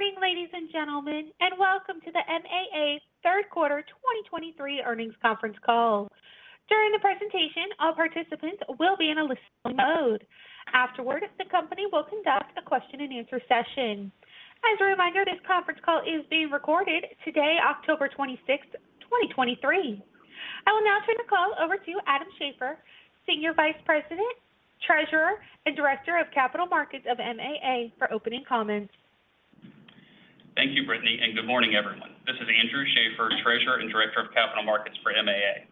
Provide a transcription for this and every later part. Good morning, ladies and gentlemen, and welcome to the MAA third quarter 2023 earnings conference call. During the presentation, all participants will be in a listening mode. Afterward, the company will conduct a question-and-answer session. As a reminder, this conference call is being recorded today, October 26th, 2023. I will now turn the call over to Andrew Schaeffer, Senior Vice President, Treasurer, and Director of Capital Markets of MAA, for opening comments. Thank you, Brittany, and good morning, everyone. This is Andrew Schaeffer, Treasurer and Director of Capital Markets for MAA.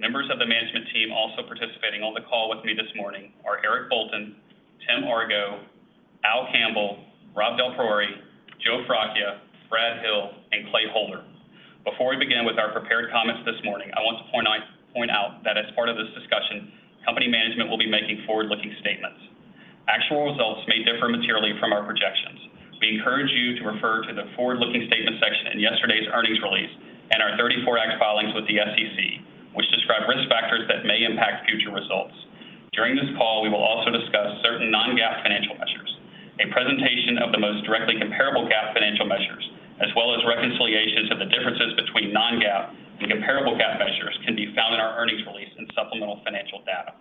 Members of the management team also participating on the call with me this morning are Eric Bolton, Tim Argo, Al Campbell, Rob DelPriore, Joe Fracchia, Brad Hill, and Clay Holder. Before we begin with our prepared comments this morning, I want to point out that as part of this discussion, company management will be making forward-looking statements. Actual results may differ materially from our projections. We encourage you to refer to the forward-looking statements section in yesterday's earnings release and our 34-Act filings with the SEC, which describe risk factors that may impact future results. During this call, we will also discuss certain non-GAAP financial measures. A presentation of the most directly comparable GAAP financial measures, as well as reconciliations of the differences between non-GAAP and comparable GAAP measures, can be found in our earnings release and supplemental financial data.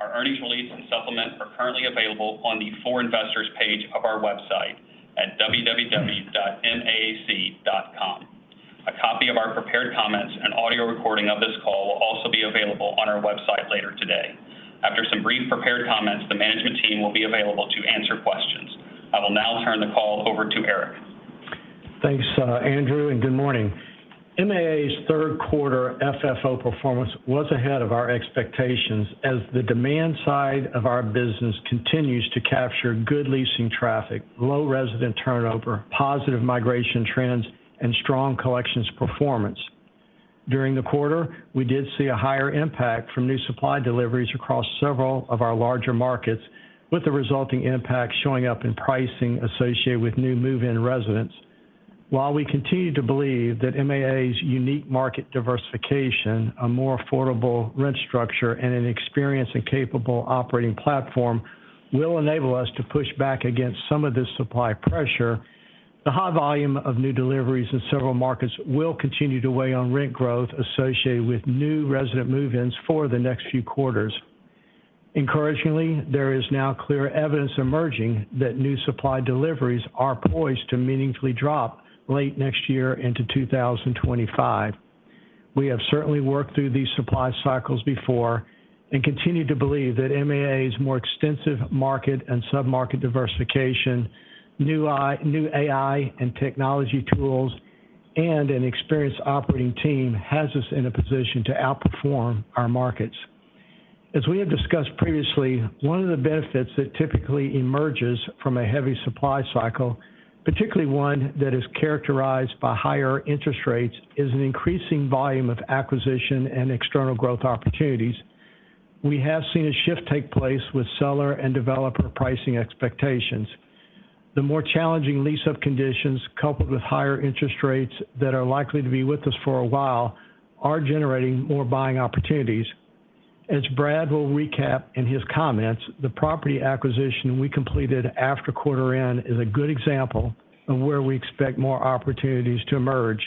Our earnings release and supplement are currently available on the For Investors page of our website at www.maac.com. A copy of our prepared comments and audio recording of this call will also be available on our website later today. After some brief prepared comments, the management team will be available to answer questions. I will now turn the call over to Eric. Thanks, Andrew, and good morning. MAA's third quarter FFO performance was ahead of our expectations as the demand side of our business continues to capture good leasing traffic, low resident turnover, positive migration trends, and strong collections performance. During the quarter, we did see a higher impact from new supply deliveries across several of our larger markets, with the resulting impact showing up in pricing associated with new move-in residents. While we continue to believe that MAA's unique market diversification, a more affordable rent structure, and an experienced and capable operating platform will enable us to push back against some of this supply pressure, the high volume of new deliveries in several markets will continue to weigh on rent growth associated with new resident move-ins for the next few quarters. Encouragingly, there is now clear evidence emerging that new supply deliveries are poised to meaningfully drop late next year into 2025. We have certainly worked through these supply cycles before and continue to believe that MAA's more extensive market and submarket diversification, new AI and technology tools, and an experienced operating team has us in a position to outperform our markets. As we have discussed previously, one of the benefits that typically emerges from a heavy supply cycle, particularly one that is characterized by higher interest rates, is an increasing volume of acquisition and external growth opportunities. We have seen a shift take place with seller and developer pricing expectations. The more challenging lease-up conditions, coupled with higher interest rates that are likely to be with us for a while, are generating more buying opportunities. As Brad will recap in his comments, the property acquisition we completed after quarter end is a good example of where we expect more opportunities to emerge,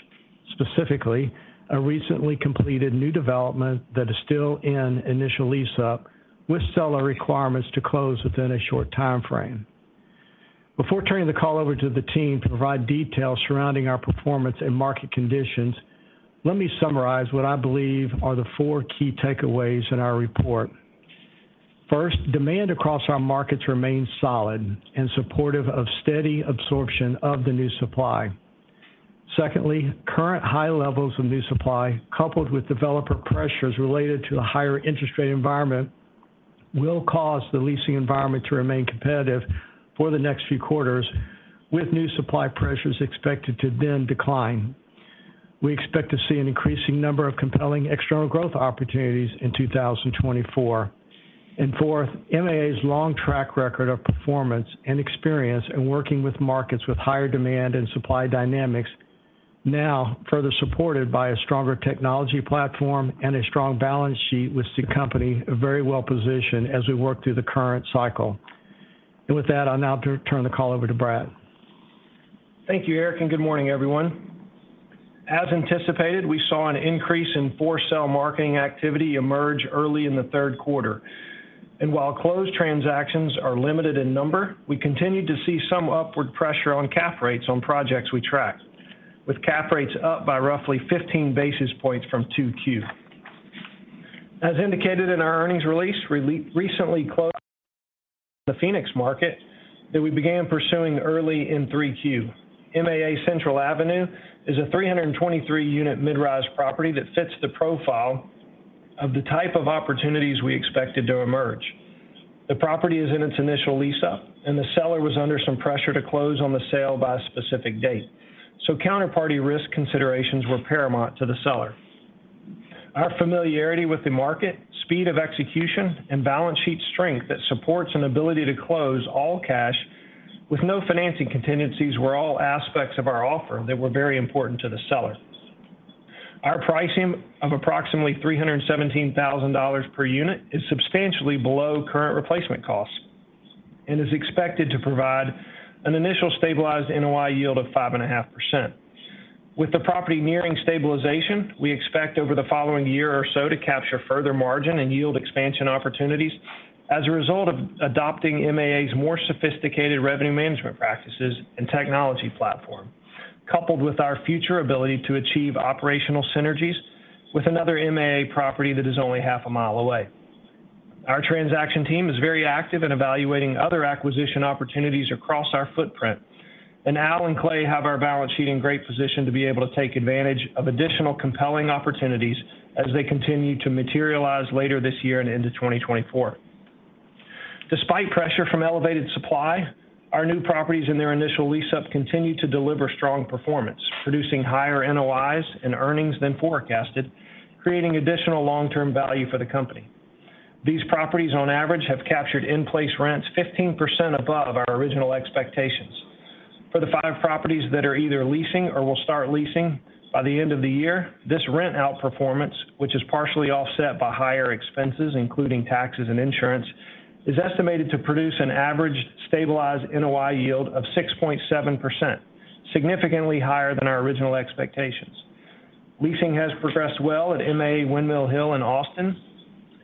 specifically a recently completed new development that is still in initial lease-up with seller requirements to close within a short time frame. Before turning the call over to the team to provide details surrounding our performance and market conditions, let me summarize what I believe are the four key takeaways in our report. First, demand across our markets remains solid and supportive of steady absorption of the new supply. Secondly, current high levels of new supply, coupled with developer pressures related to the higher interest rate environment, will cause the leasing environment to remain competitive for the next few quarters, with new supply pressures expected to then decline. We expect to see an increasing number of compelling external growth opportunities in 2024. MAA's long track record of performance and experience in working with markets with higher demand and supply dynamics, now further supported by a stronger technology platform and a strong balance sheet, with the company very well positioned as we work through the current cycle. With that, I'll now turn the call over to Brad. Thank you, Eric, and good morning, everyone. As anticipated, we saw an increase in for-sale marketing activity emerge early in the third quarter. While closed transactions are limited in number, we continue to see some upward pressure on cap rates on projects we track, with cap rates up by roughly 15 basis points from 2Q. As indicated in our earnings release, we recently closed the Phoenix market that we began pursuing early in 3Q. MAA Central Avenue is a 323-unit mid-rise property that fits the profile of the type of opportunities we expected to emerge. The property is in its initial lease-up, and the seller was under some pressure to close on the sale by a specific date, so counterparty risk considerations were paramount to the seller. Our familiarity with the market, speed of execution, and balance sheet strength that supports an ability to close all cash with no financing contingencies were all aspects of our offer that were very important to the seller. Our pricing of approximately $317,000 per unit is substantially below current replacement costs and is expected to provide an initial stabilized NOI yield of 5.5%. With the property nearing stabilization, we expect over the following year or so to capture further margin and yield expansion opportunities as a result of adopting MAA's more sophisticated revenue management practices and technology platform, coupled with our future ability to achieve operational synergies with another MAA property that is only half a mile away. Our transaction team is very active in evaluating other acquisition opportunities across our footprint, and Al and Clay have our balance sheet in great position to be able to take advantage of additional compelling opportunities as they continue to materialize later this year and into 2024. Despite pressure from elevated supply, our new properties in their initial lease-up continue to deliver strong performance, producing higher NOIs and earnings than forecasted, creating additional long-term value for the company. These properties, on average, have captured in-place rents 15% above our original expectations. For the five properties that are either leasing or will start leasing by the end of the year, this rent-out performance, which is partially offset by higher expenses including taxes and insurance, is estimated to produce an average stabilized NOI yield of 6.7%, significantly higher than our original expectations. Leasing has progressed well at MAA Windmill Hill in Austin,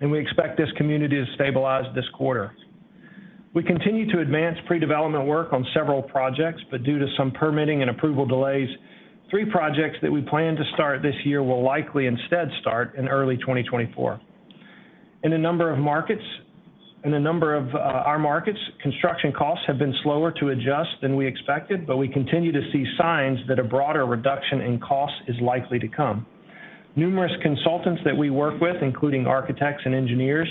and we expect this community to stabilize this quarter. We continue to advance pre-development work on several projects, but due to some permitting and approval delays, three projects that we plan to start this year will likely instead start in early 2024. In a number of markets, construction costs have been slower to adjust than we expected, but we continue to see signs that a broader reduction in costs is likely to come. Numerous consultants that we work with, including architects and engineers,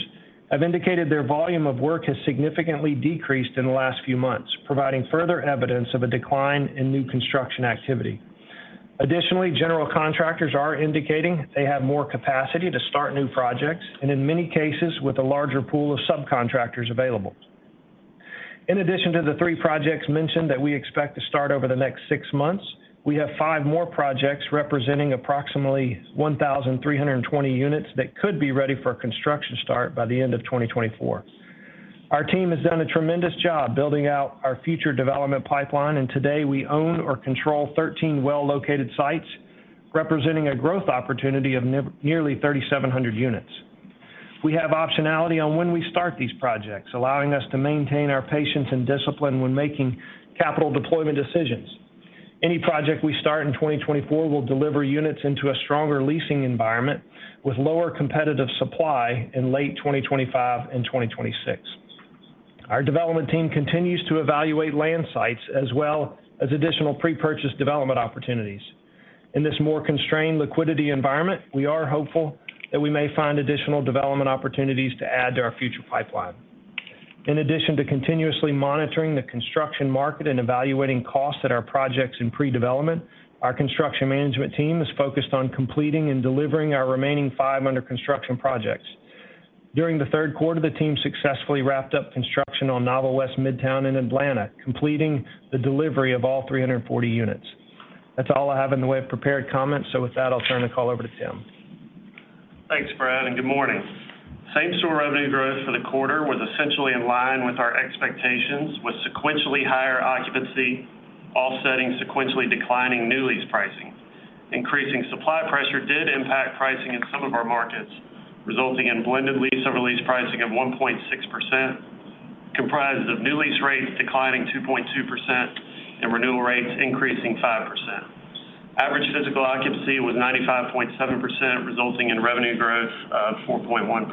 have indicated their volume of work has significantly decreased in the last few months, providing further evidence of a decline in new construction activity. Additionally, general contractors are indicating they have more capacity to start new projects and, in many cases, with a larger pool of subcontractors available. In addition to the three projects mentioned that we expect to start over the next six months, we have five more projects representing approximately 1,320 units that could be ready for construction start by the end of 2024. Our team has done a tremendous job building out our future development pipeline, and today we own or control 13 well-located sites representing a growth opportunity of nearly 3,700 units. We have optionality on when we start these projects, allowing us to maintain our patience and discipline when making capital deployment decisions. Any project we start in 2024 will deliver units into a stronger leasing environment with lower competitive supply in late 2025 and 2026. Our development team continues to evaluate land sites as well as additional pre-purchase development opportunities. In this more constrained liquidity environment, we are hopeful that we may find additional development opportunities to add to our future pipeline. In addition to continuously monitoring the construction market and evaluating costs at our projects in pre-development, our construction management team is focused on completing and delivering our remaining five under construction projects. During the third quarter, the team successfully wrapped up construction on Novel West Midtown in Atlanta, completing the delivery of all 340 units. That's all I have in the way of prepared comments, so with that, I'll turn the call over to Tim. Thanks, Brad, and good morning. Same store revenue growth for the quarter was essentially in line with our expectations, with sequentially higher occupancy offsetting sequentially declining new lease pricing. Increasing supply pressure did impact pricing in some of our markets, resulting in blended lease over lease pricing of 1.6%, comprised of new lease rates declining 2.2% and renewal rates increasing 5%. Average physical occupancy was 95.7%, resulting in revenue growth of 4.1%.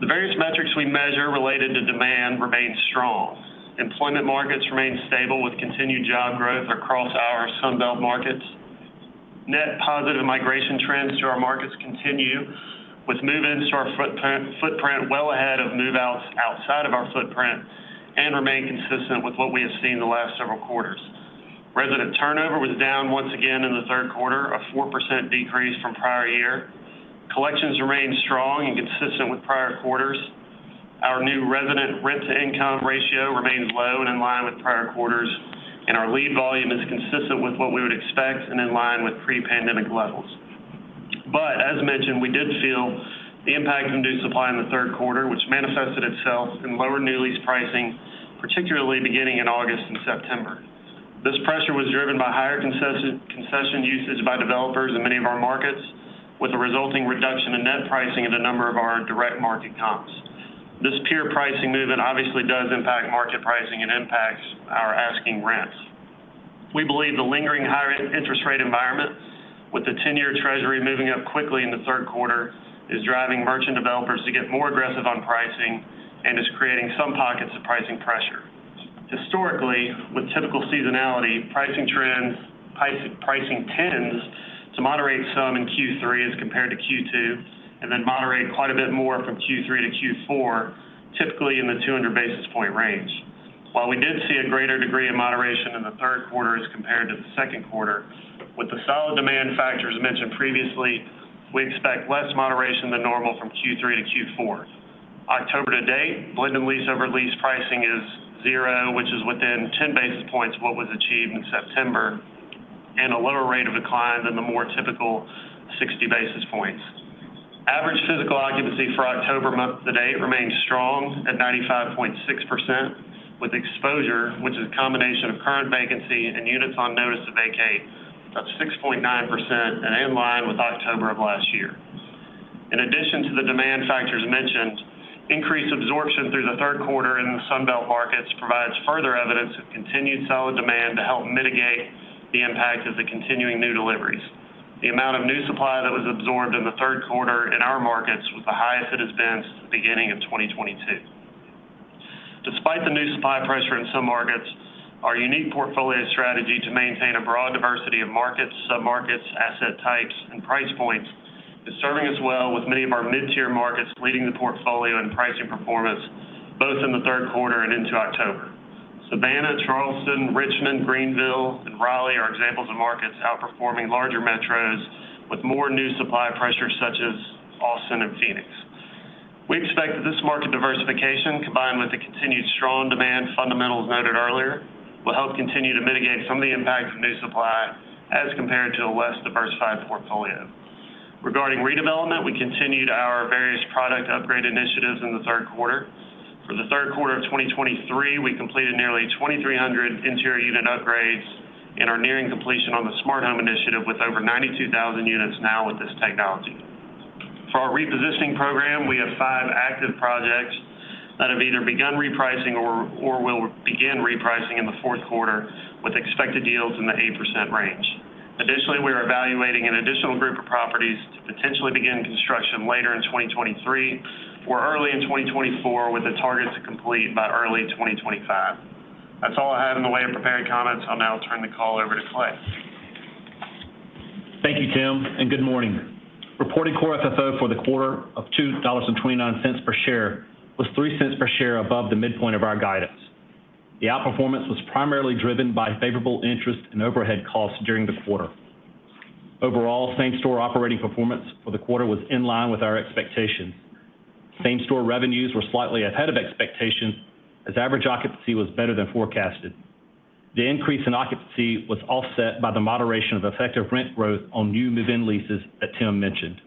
The various metrics we measure related to demand remain strong. Employment markets remain stable with continued job growth across our Sunbelt markets. Net positive migration trends to our markets continue with move-ins to our footprint well ahead of move-outs outside of our footprint and remain consistent with what we have seen the last several quarters. Resident turnover was down once again in the third quarter, a 4% decrease from prior year. Collections remain strong and consistent with prior quarters. Our new resident Rent-to-Income Ratio remains low and in line with prior quarters, and our lead volume is consistent with what we would expect and in line with pre-pandemic levels. But as mentioned, we did feel the impact of new supply in the third quarter, which manifested itself in lower new lease pricing, particularly beginning in August and September. This pressure was driven by higher concession usage by developers in many of our markets, with a resulting reduction in net pricing at a number of our direct market comps. This peer pricing movement obviously does impact market pricing and impacts our asking rents. We believe the lingering higher interest rate environment, with the 10-Year Treasury moving up quickly in the third quarter, is driving merchant developers to get more aggressive on pricing and is creating some pockets of pricing pressure. Historically, with typical seasonality, pricing trends tends to moderate some in Q3 as compared to Q2 and then moderate quite a bit more from Q3 to Q4, typically in the 200 basis point range. While we did see a greater degree of moderation in the third quarter as compared to the second quarter, with the solid demand factors mentioned previously, we expect less moderation than normal from Q3 to Q4. October to date, blended lease over lease pricing is 0, which is within 10 basis points of what was achieved in September, and a lower rate of decline than the more typical 60 basis points. Average physical occupancy for October month to date remains strong at 95.6%, with exposure, which is a combination of current vacancy and units on notice to vacate, of 6.9% and in line with October of last year. In addition to the demand factors mentioned, increased absorption through the third quarter in the Sunbelt markets provides further evidence of continued solid demand to help mitigate the impact of the continuing new deliveries. The amount of new supply that was absorbed in the third quarter in our markets was the highest it has been since the beginning of 2022. Despite the new supply pressure in some markets, our unique portfolio strategy to maintain a broad diversity of markets, submarkets, asset types, and price points is serving us well, with many of our mid-tier markets leading the portfolio in pricing performance both in the third quarter and into October. Savannah, Charleston, Richmond, Greenville, and Raleigh are examples of markets outperforming larger metros with more new supply pressure, such as Austin and Phoenix. We expect that this market diversification, combined with the continued strong demand fundamentals noted earlier, will help continue to mitigate some of the impact of new supply as compared to a less diversified portfolio. Regarding redevelopment, we continued our various product upgrade initiatives in the third quarter. For the third quarter of 2023, we completed nearly 2,300 interior unit upgrades and are nearing completion on the Smart Home Initiative, with over 92,000 units now with this technology. For our Repositioning Program, we have five active projects that have either begun repricing or will begin repricing in the fourth quarter, with expected deals in the 8% range. Additionally, we are evaluating an additional group of properties to potentially begin construction later in 2023 or early in 2024, with a target to complete by early 2025. That's all I have in the way of prepared comments. I'll now turn the call over to Clay. Thank you, Tim, and good morning. Reporting Core FFO for the quarter of $2.29 per share was $0.03 per share above the midpoint of our guidance. The outperformance was primarily driven by favorable interest and overhead costs during the quarter. Overall, same-store operating performance for the quarter was in line with our expectations. Same-store revenues were slightly ahead of expectations as average occupancy was better than forecasted. The increase in occupancy was offset by the moderation of effective rent growth on new move-in leases that Tim mentioned.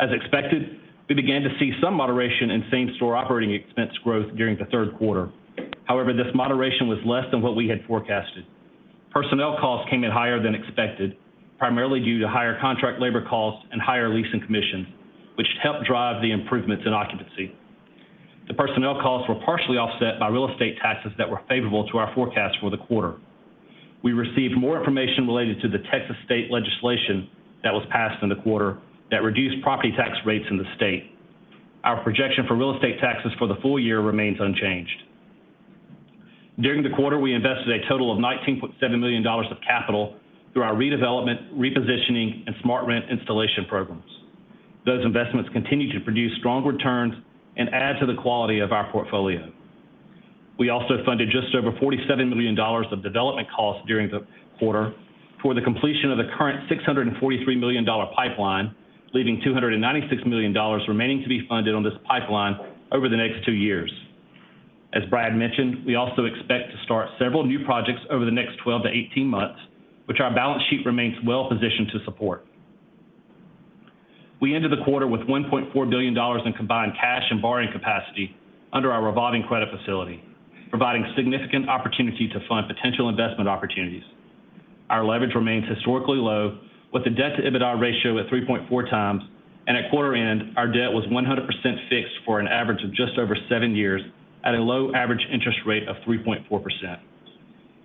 As expected, we began to see some moderation in same-store operating expense growth during the third quarter. However, this moderation was less than what we had forecasted. Personnel costs came in higher than expected, primarily due to higher contract labor costs and higher leasing commissions, which helped drive the improvements in occupancy. The personnel costs were partially offset by real estate taxes that were favorable to our forecast for the quarter. We received more information related to the Texas state legislation that was passed in the quarter that reduced property tax rates in the state. Our projection for real estate taxes for the full year remains unchanged. During the quarter, we invested a total of $19.7 million of capital through our redevelopment, repositioning, and SmartRent installation programs. Those investments continue to produce strong returns and add to the quality of our portfolio. We also funded just over $47 million of development costs during the quarter for the completion of the current $643 million pipeline, leaving $296 million remaining to be funded on this pipeline over the next two years. As Brad mentioned, we also expect to start several new projects over the next 12 to 18 months, which our balance sheet remains well-positioned to support. We ended the quarter with $1.4 billion in combined cash and borrowing capacity under our revolving credit facility, providing significant opportunity to fund potential investment opportunities. Our leverage remains historically low, with the debt-to-EBITDA ratio at 3.4x. At quarter end, our debt was 100% fixed for an average of just over seven years at a low average interest rate of 3.4%.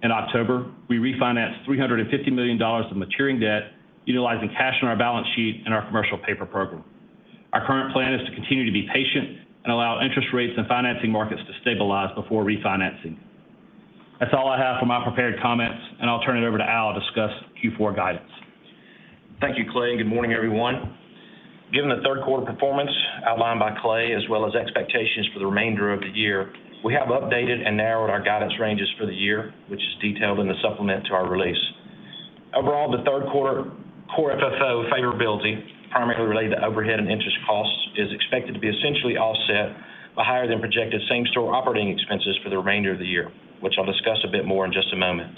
In October, we refinanced $350 million of maturing debt utilizing cash on our balance sheet and our commercial paper program. Our current plan is to continue to be patient and allow interest rates and financing markets to stabilize before refinancing. That's all I have for my prepared comments, and I'll turn it over to Al to discuss Q4 guidance. Thank you, Clay, and good morning, everyone. Given the third quarter performance outlined by Clay as well as expectations for the remainder of the year, we have updated and narrowed our guidance ranges for the year, which is detailed in the supplement to our release. Overall, the third quarter core FFO favorability, primarily related to overhead and interest costs, is expected to be essentially offset by higher than projected same-store operating expenses for the remainder of the year, which I'll discuss a bit more in just a moment.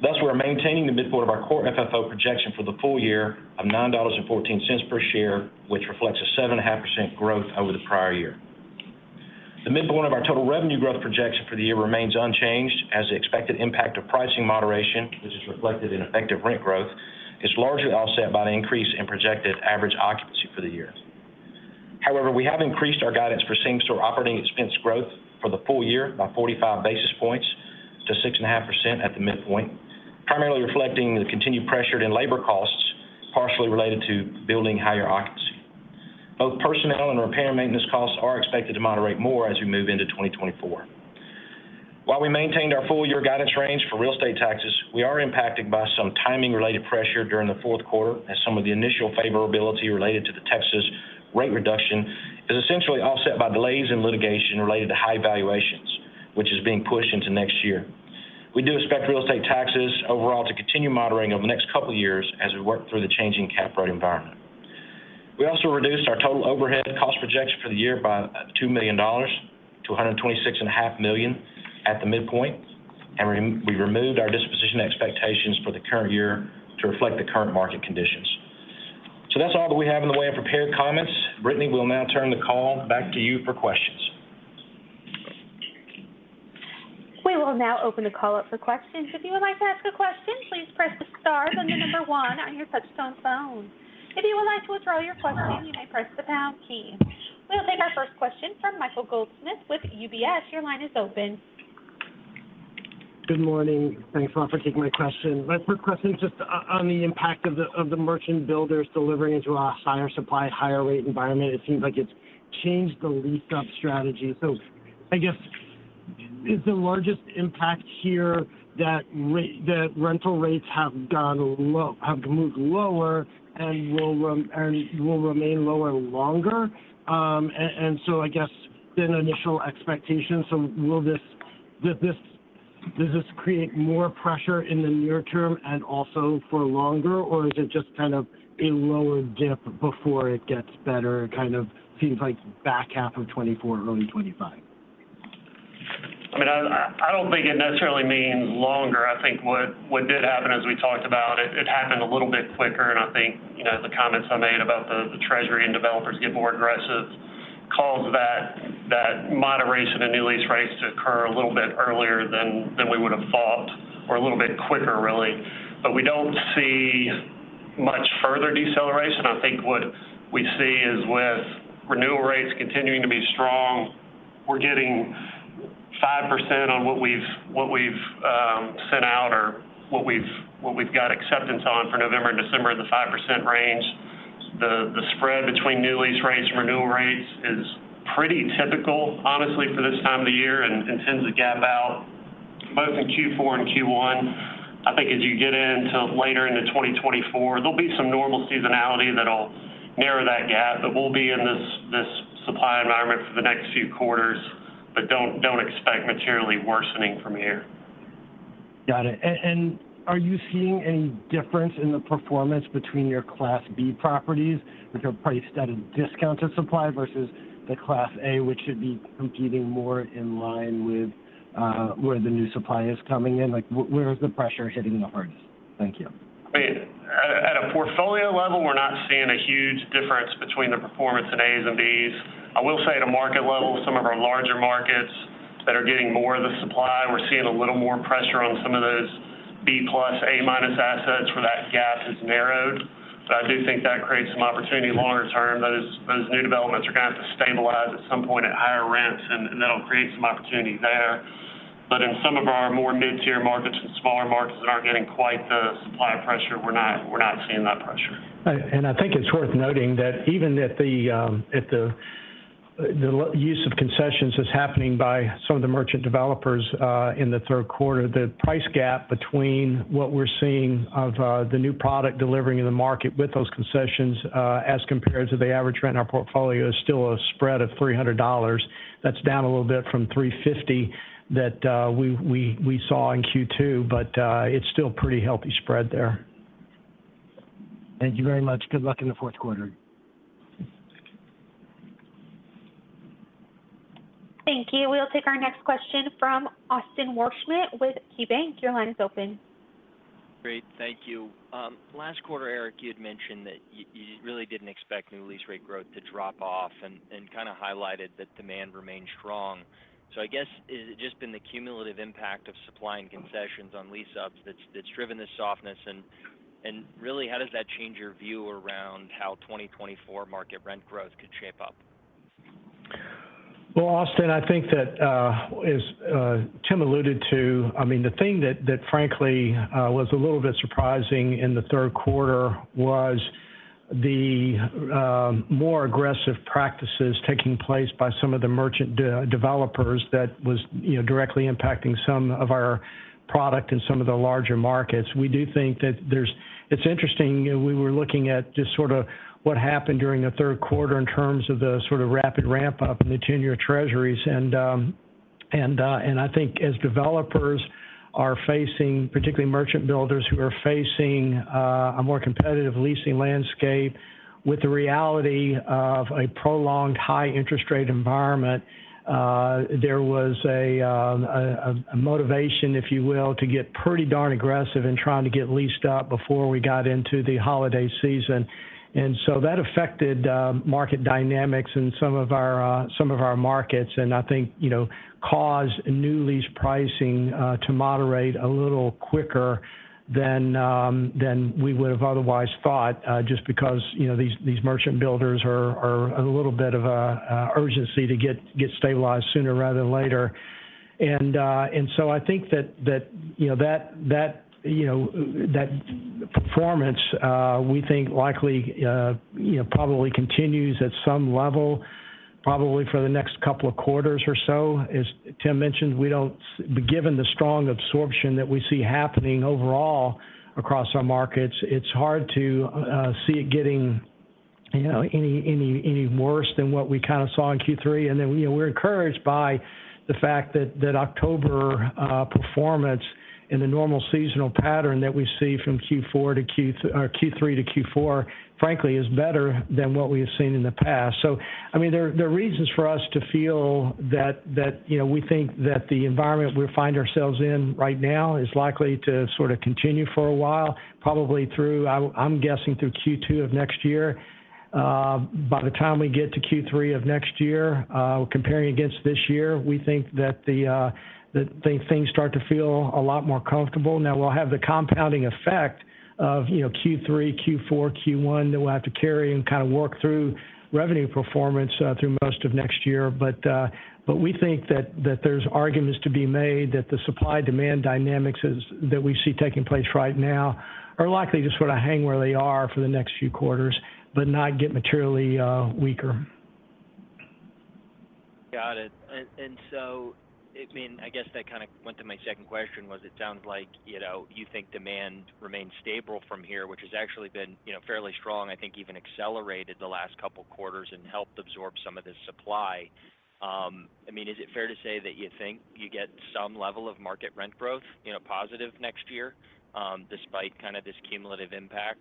Thus, we are maintaining the midpoint of our core FFO projection for the full year of $9.14 per share, which reflects a 7.5% growth over the prior year. The midpoint of our total revenue growth projection for the year remains unchanged as the expected impact of pricing moderation, which is reflected in effective rent growth, is largely offset by the increase in projected average occupancy for the year. However, we have increased our guidance for same-store operating expense growth for the full year by 45 basis points to 6.5% at the midpoint, primarily reflecting the continued pressured labor costs partially related to building higher occupancy. Both personnel and repair and maintenance costs are expected to moderate more as we move into 2024. While we maintained our full-year guidance range for real estate taxes, we are impacted by some timing-related pressure during the fourth quarter as some of the initial favorability related to the Texas rate reduction is essentially offset by delays in litigation related to high valuations, which is being pushed into next year. We do expect real estate taxes overall to continue moderating over the next couple of years as we work through the changing cap rate environment. We also reduced our total overhead cost projection for the year by $2 million to 126.5 million at the midpoint, and we removed our disposition expectations for the current year to reflect the current market conditions. So that's all that we have in the way of prepared comments. Brittany, we'll now turn the call back to you for questions. We will now open the call up for questions. If you would like to ask a question, please press the star and the number one on your touch-tone phone. If you would like to withdraw your question, you may press the pound key. We'll take our first question from Michael Goldsmith with UBS. Your line is open. Good morning. Thanks a lot for taking my question. My first question is just on the impact of the merchant builders delivering into a higher supply, higher rate environment. It seems like it's changed the lease-up strategy. So I guess is the largest impact here that rental rates have moved lower and will remain lower longer? And so I guess than initial expectations. So does this create more pressure in the near term and also for longer, or is it just kind of a lower dip before it gets better? It kind of seems like back half of 2024, early 2025. I mean, I don't think it necessarily means longer. I think what did happen, as we talked about, it happened a little bit quicker. And I think the comments I made about the Treasury and developers getting more aggressive caused that moderation in new lease rates to occur a little bit earlier than we would have thought or a little bit quicker, really. But we don't see much further deceleration. I think what we see is with renewal rates continuing to be strong, we're getting 5% on what we've sent out or what we've got acceptance on for November and December in the 5% range. The spread between new lease rates and renewal rates is pretty typical, honestly, for this time of the year and tends to gap out both in Q4 and Q1. I think as you get into later into 2024, there'll be some normal seasonality that'll narrow that gap. But we'll be in this supply environment for the next few quarters, but don't expect materially worsening from here. Got it. Are you seeing any difference in the performance between your Class B properties, which are priced at a discounted supply, versus the Class A, which should be competing more in line with where the new supply is coming in? Where is the pressure hitting the hardest? Thank you. I mean, at a portfolio level, we're not seeing a huge difference between the performance in A's and B's. I will say at a market level, some of our larger markets that are getting more of the supply, we're seeing a little more pressure on some of those B-plus, A-minus assets where that gap has narrowed. But I do think that creates some opportunity longer term. Those new developments are going to have to stabilize at some point at higher rents, and that'll create some opportunity there. But in some of our more mid-tier markets and smaller markets that aren't getting quite the supply pressure, we're not seeing that pressure. I think it's worth noting that even at the use of concessions that's happening by some of the merchant developers in the third quarter, the price gap between what we're seeing of the new product delivering in the market with those concessions as compared to the average rent in our portfolio is still a spread of $300. That's down a little bit from $350 that we saw in Q2, but it's still a pretty healthy spread there. Thank you very much. Good luck in the fourth quarter. Thank you. We'll take our next question from Austin Wurschmidt with KeyBanc. Your line is open. Great. Thank you. Last quarter, Eric, you had mentioned that you really didn't expect new lease rate growth to drop off and kind of highlighted that demand remained strong. So I guess has it just been the cumulative impact of supply and concessions on lease-ups that's driven this softness? And really, how does that change your view around how 2024 market rent growth could shape up? Well, Austin, I think that, as Tim alluded to, I mean, the thing that, frankly, was a little bit surprising in the third quarter was the more aggressive practices taking place by some of the merchant developers that was directly impacting some of our product in some of the larger markets. We do think that it's interesting. We were looking at just sort of what happened during the third quarter in terms of the sort of rapid ramp-up in the 10-Year Treasuries. And I think as developers are facing, particularly merchant builders who are facing a more competitive leasing landscape, with the reality of a prolonged high-interest rate environment, there was a motivation, if you will, to get pretty darn aggressive in trying to get leased up before we got into the holiday season. And so that affected market dynamics in some of our markets and I think caused new lease pricing to moderate a little quicker than we would have otherwise thought just because these merchant builders are a little bit of a urgency to get stabilized sooner rather than later. And so I think that that performance, we think, likely probably continues at some level, probably for the next couple of quarters or so. As Tim mentioned, given the strong absorption that we see happening overall across our markets, it's hard to see it getting any worse than what we kind of saw in Q3. And then we're encouraged by the fact that October performance in the normal seasonal pattern that we see from Q3 to Q4, frankly, is better than what we have seen in the past. So I mean, there are reasons for us to feel that we think that the environment we find ourselves in right now is likely to sort of continue for a while, probably through, I'm guessing, through Q2 of next year. By the time we get to Q3 of next year, comparing against this year, we think that things start to feel a lot more comfortable. Now, we'll have the compounding effect of Q3, Q4, Q1 that we'll have to carry and kind of work through revenue performance through most of next year. But we think that there's arguments to be made that the supply-demand dynamics that we see taking place right now are likely just going to hang where they are for the next few quarters but not get materially weaker. Got it. And so I mean, I guess that kind of went to my second question, was it sounds like you think demand remains stable from here, which has actually been fairly strong, I think even accelerated the last couple of quarters and helped absorb some of this supply. I mean, is it fair to say that you think you get some level of market rent growth positive next year despite kind of this cumulative impact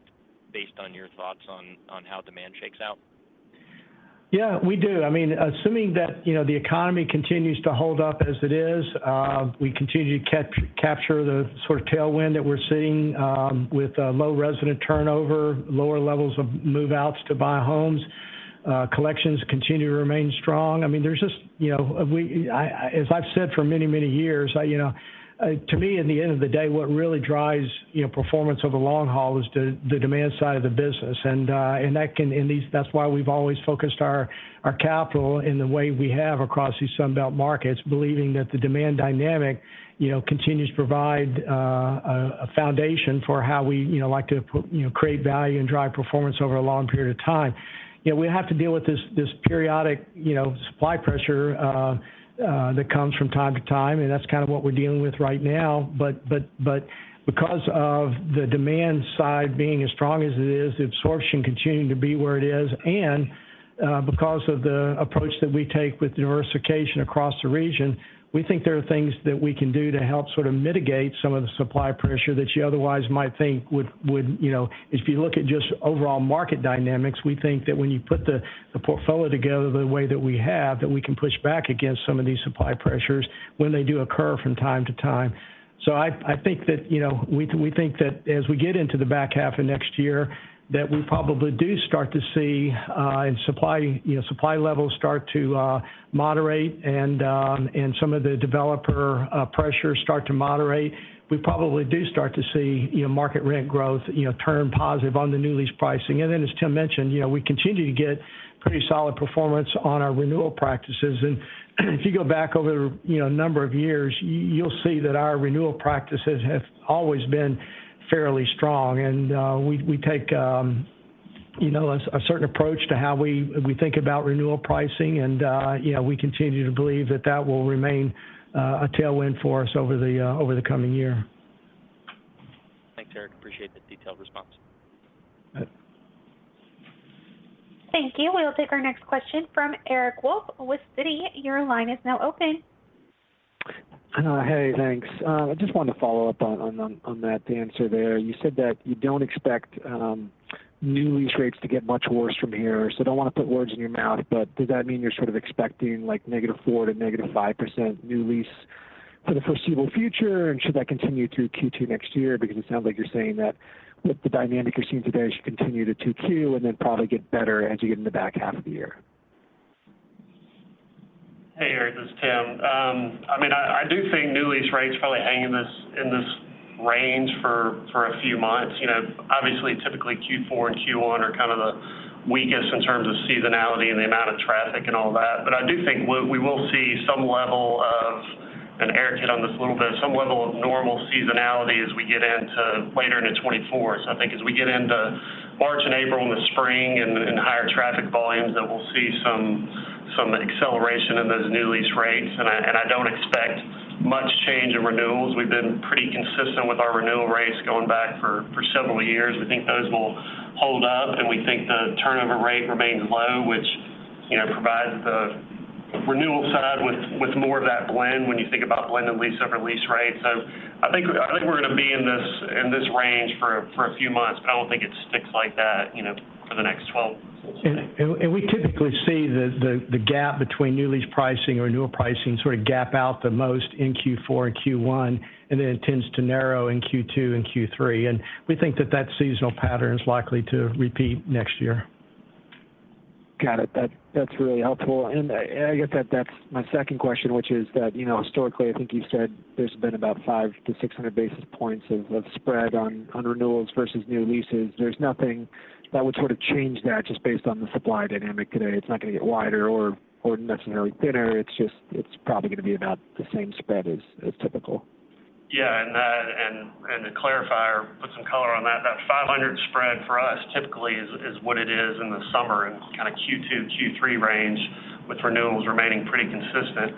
based on your thoughts on how demand shakes out? Yeah, we do. I mean, assuming that the economy continues to hold up as it is, we continue to capture the sort of tailwind that we're seeing with low resident turnover, lower levels of move-outs to buy homes, collections continue to remain strong. I mean, there's just as I've said for many, many years, to me, at the end of the day, what really drives performance over the long haul is the demand side of the business. And that's why we've always focused our capital in the way we have across these Sunbelt markets, believing that the demand dynamic continues to provide a foundation for how we like to create value and drive performance over a long period of time. We have to deal with this periodic supply pressure that comes from time to time, and that's kind of what we're dealing with right now. But because of the demand side being as strong as it is, the absorption continuing to be where it is, and because of the approach that we take with diversification across the region, we think there are things that we can do to help sort of mitigate some of the supply pressure that you otherwise might think would if you look at just overall market dynamics, we think that when you put the portfolio together the way that we have, that we can push back against some of these supply pressures when they do occur from time to time. So I think that we think that as we get into the back half of next year, that we probably do start to see supply levels start to moderate and some of the developer pressures start to moderate. We probably do start to see market rent growth turn positive on the new lease pricing. Then, as Tim mentioned, we continue to get pretty solid performance on our renewal practices. And if you go back over a number of years, you'll see that our renewal practices have always been fairly strong. And we take a certain approach to how we think about renewal pricing, and we continue to believe that that will remain a tailwind for us over the coming year. Thanks, Eric. Appreciate the detailed response. Thank you. We'll take our next question from Eric Wolfe with Citi. Your line is now open. Hey, thanks. I just wanted to follow up on that, the answer there. You said that you don't expect new lease rates to get much worse from here. So I don't want to put words in your mouth, but does that mean you're sort of expecting -4% to -5% new lease for the foreseeable future? And should that continue through Q2 next year? Because it sounds like you're saying that with the dynamic you're seeing today, it should continue to 2Q and then probably get better as you get into the back half of the year? Hey, Eric. This is Tim. I mean, I do think new lease rates are probably hanging in this range for a few months. Obviously, typically, Q4 and Q1 are kind of the weakest in terms of seasonality and the amount of traffic and all that. But I do think we will see some level of, and Eric hit on this a little bit, some level of normal seasonality as we get into later into 2024. So I think as we get into March and April and the spring and higher traffic volumes, that we'll see some acceleration in those new lease rates. And I don't expect much change in renewals. We've been pretty consistent with our renewal rates going back for several years. We think those will hold up, and we think the turnover rate remains low, which provides the renewal side with more of that blend when you think about blended lease over lease rate. So I think we're going to be in this range for a few months, but I don't think it sticks like that for the next 12. We typically see the gap between new lease pricing or renewal pricing sort of gap out the most in Q4 and Q1, and then it tends to narrow in Q2 and Q3. We think that that seasonal pattern is likely to repeat next year. Got it. That's really helpful. And I guess that's my second question, which is that historically, I think you've said there's been about 5-600 basis points of spread on renewals versus new leases. There's nothing that would sort of change that just based on the supply dynamic today. It's not going to get wider or necessarily thinner. It's probably going to be about the same spread as typical. Yeah. And to clarify or put some color on that, that 500 spread for us typically is what it is in the summer and kind of Q2, Q3 range with renewals remaining pretty consistent.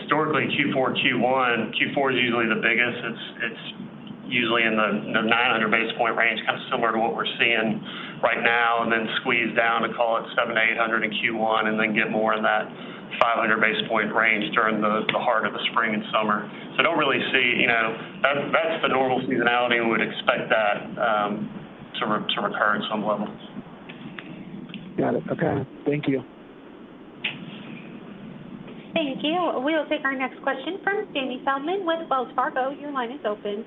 Historically, Q4, Q1. Q4 is usually the biggest. It's usually in the 900-basis point range, kind of similar to what we're seeing right now, and then squeeze down to call it 700-800 in Q1, and then get more in that 500-basis point range during the heart of the spring and summer. So I don't really see that's the normal seasonality. We would expect that to recur at some level. Got it. Okay. Thank you. Thank you. We'll take our next question from Jamie Feldman with Wells Fargo. Your line is open.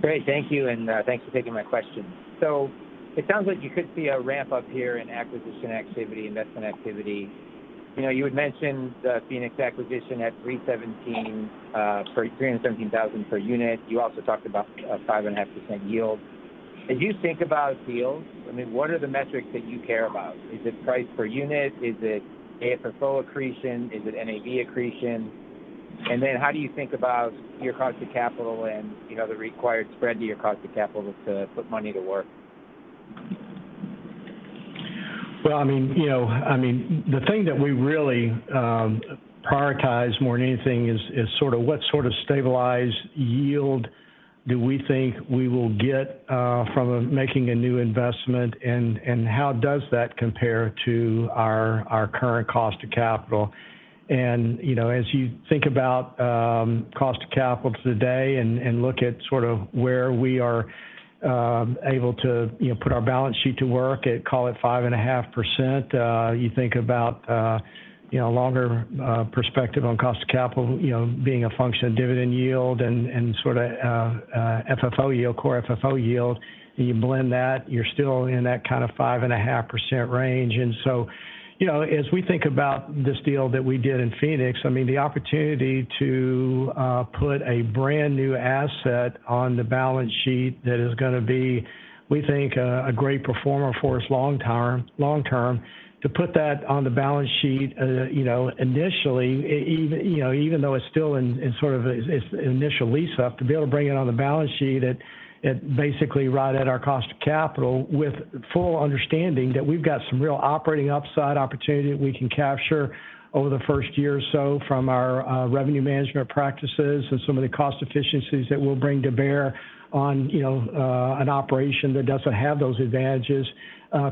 Great. Thank you. And thanks for taking my question. So it sounds like you could see a ramp-up here in acquisition activity, investment activity. You had mentioned the Phoenix acquisition at $317,000 per unit. You also talked about a 5.5% yield. As you think about yields, I mean, what are the metrics that you care about? Is it price per unit? Is it AFFO accretion? Is it NAV accretion? And then how do you think about your cost of capital and the required spread to your cost of capital to put money to work? Well, I mean, the thing that we really prioritize more than anything is sort of what sort of stabilized yield do we think we will get from making a new investment, and how does that compare to our current cost of capital? And as you think about cost of capital today and look at sort of where we are able to put our balance sheet to work at, call it 5.5%, you think about a longer perspective on cost of capital being a function of dividend yield and sort of FFO yield, Core FFO yield, and you blend that, you're still in that kind of 5.5% range. And so, as we think about this deal that we did in Phoenix, I mean, the opportunity to put a brand new asset on the balance sheet that is going to be, we think, a great performer for us long-term, to put that on the balance sheet initially, even though it's still in sort of its initial lease-up, to be able to bring it on the balance sheet at basically right at our cost of capital, with full understanding that we've got some real operating upside opportunity that we can capture over the first year or so from our revenue management practices and some of the cost efficiencies that we'll bring to bear on an operation that doesn't have those advantages.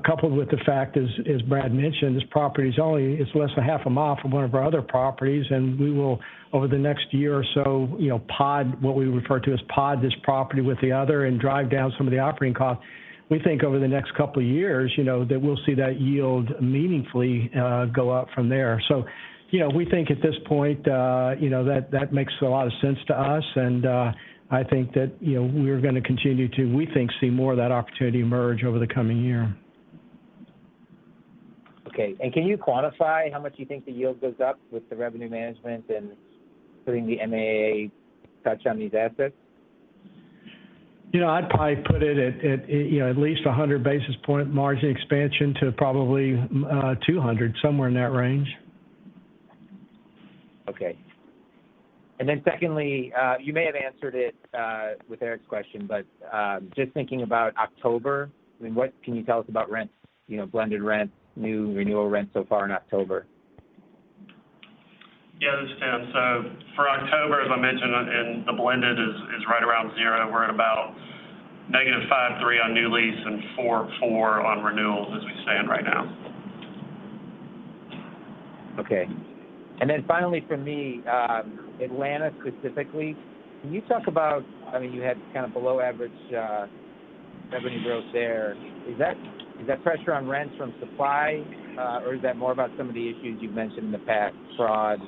Coupled with the fact, as Brad mentioned, this property is less than half a mile from one of our other properties, and we will, over the next year or so, pod what we refer to as pod this property with the other and drive down some of the operating costs. We think over the next couple of years that we'll see that yield meaningfully go up from there. So we think at this point that makes a lot of sense to us. And I think that we're going to continue to, we think, see more of that opportunity emerge over the coming year. Okay. Can you quantify how much you think the yield goes up with the revenue management and putting the MAA touch on these assets? I'd probably put it at least 100 basis points margin expansion, somewhere in that range. Okay. And then secondly, you may have answered it with Eric's question, but just thinking about October, I mean, what can you tell us about rent, blended rent, new renewal rent so far in October? Yeah. This is Tim. For October, as I mentioned, the blended is right around zero. We're at about -5.3% on new lease and 4.4% on renewals as we stand right now. Okay. And then finally, for me, Atlanta specifically, can you talk about, I mean, you had kind of below-average revenue growth there. Is that pressure on rents from supply, or is that more about some of the issues you've mentioned in the past, fraud,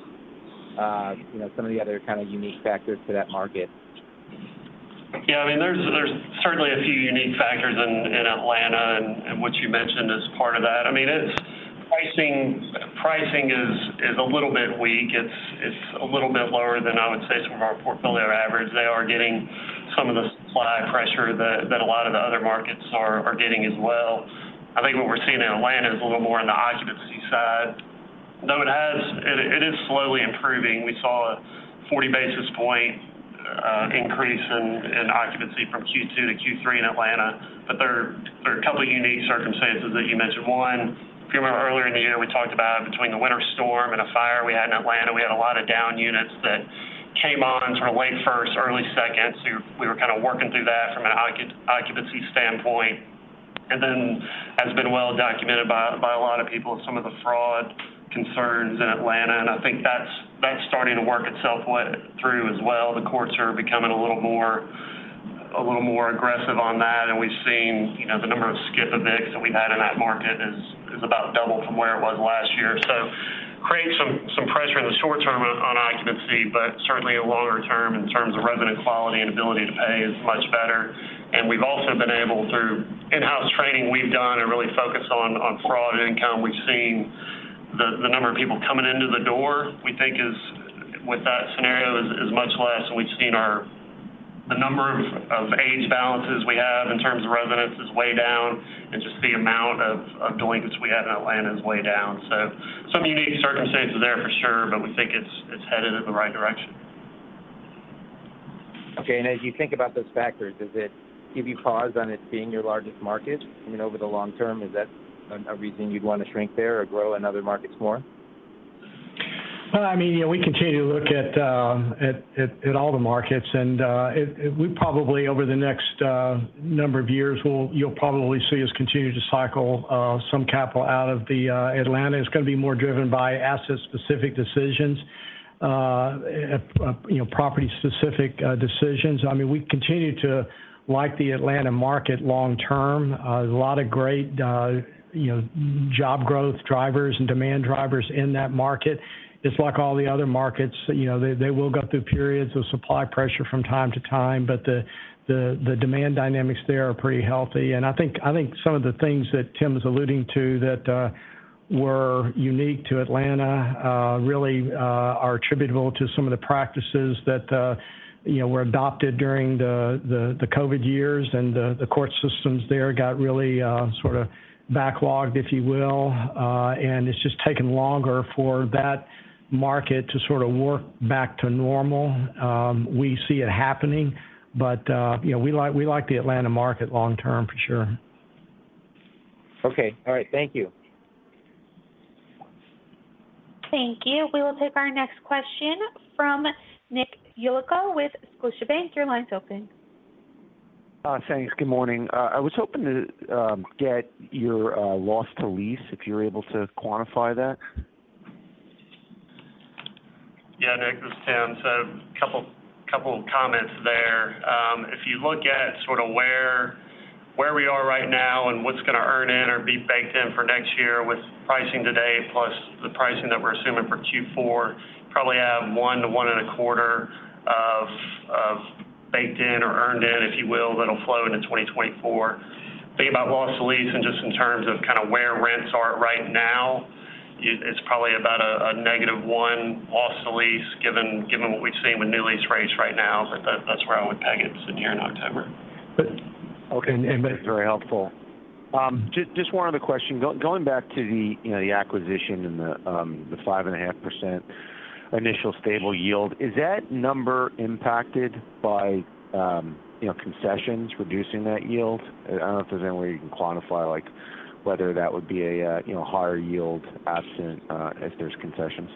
some of the other kind of unique factors to that market? Yeah. I mean, there's certainly a few unique factors in Atlanta and what you mentioned as part of that. I mean, pricing is a little bit weak. It's a little bit lower than I would say some of our portfolio average. They are getting some of the supply pressure that a lot of the other markets are getting as well. I think what we're seeing in Atlanta is a little more on the occupancy side. Though it is slowly improving. We saw a 40 basis point increase in occupancy from Q2 to Q3 in Atlanta. But there are a couple of unique circumstances that you mentioned. One, if you remember earlier in the year, we talked about between the winter storm and a fire we had in Atlanta, we had a lot of down units that came on sort of late first, early second. So we were kind of working through that from an occupancy standpoint. And then, as has been well documented by a lot of people, some of the fraud concerns in Atlanta. And I think that's starting to work itself through as well. The courts are becoming a little more aggressive on that. And we've seen the number of skip events that we've had in that market is about double from where it was last year. So it creates some pressure in the short term on occupancy, but certainly in the longer term, in terms of resident quality and ability to pay is much better. And we've also been able through in-house training we've done and really focused on fraud and income, we've seen the number of people coming into the door, we think, with that scenario is much less. We've seen the number of aged balances we have in terms of residents is way down, and just the amount of delinquents we have in Atlanta is way down. Some unique circumstances there for sure, but we think it's headed in the right direction. Okay. And as you think about those factors, does it give you pause on it being your largest market? I mean, over the long term, is that a reason you'd want to shrink there or grow in other markets more? Well, I mean, we continue to look at all the markets. We probably, over the next number of years, you'll probably see us continue to cycle some capital out of Atlanta. It's going to be more driven by asset-specific decisions, property-specific decisions. I mean, we continue to like the Atlanta market long term. A lot of great job growth drivers and demand drivers in that market. It's like all the other markets. They will go through periods of supply pressure from time to time, but the demand dynamics there are pretty healthy. I think some of the things that Tim was alluding to that were unique to Atlanta really are attributable to some of the practices that were adopted during the COVID years, and the court systems there got really sort of backlogged, if you will. It's just taken longer for that market to sort of work back to normal. We see it happening. But we like the Atlanta market long-term for sure. Okay. All right. Thank you. Thank you. We will take our next question from Nick Yulico with Scotiabank. Your line's open. Thanks. Good morning. I was hoping to get your Loss to Lease, if you're able to quantify that. Yeah, Nick. This is Tim. So a couple of comments there. If you look at sort of where we are right now and what's going to Earn-In or be baked in for next year with pricing today, plus the pricing that we're assuming for Q4, probably have 1%-1.25% baked in or Earned-In, if you will, that'll flow into 2024. Thinking about Loss to Lease and just in terms of kind of where rents are right now, it's probably about a -1% Loss to Lease given what we've seen with new lease rates right now. But that's where I would peg it sitting here in October. Okay. Very helpful. Just one other question. Going back to the acquisition and the 5.5% initial stable yield, is that number impacted by concessions reducing that yield? I don't know if there's any way you can quantify whether that would be a higher yield absent if there's concessions?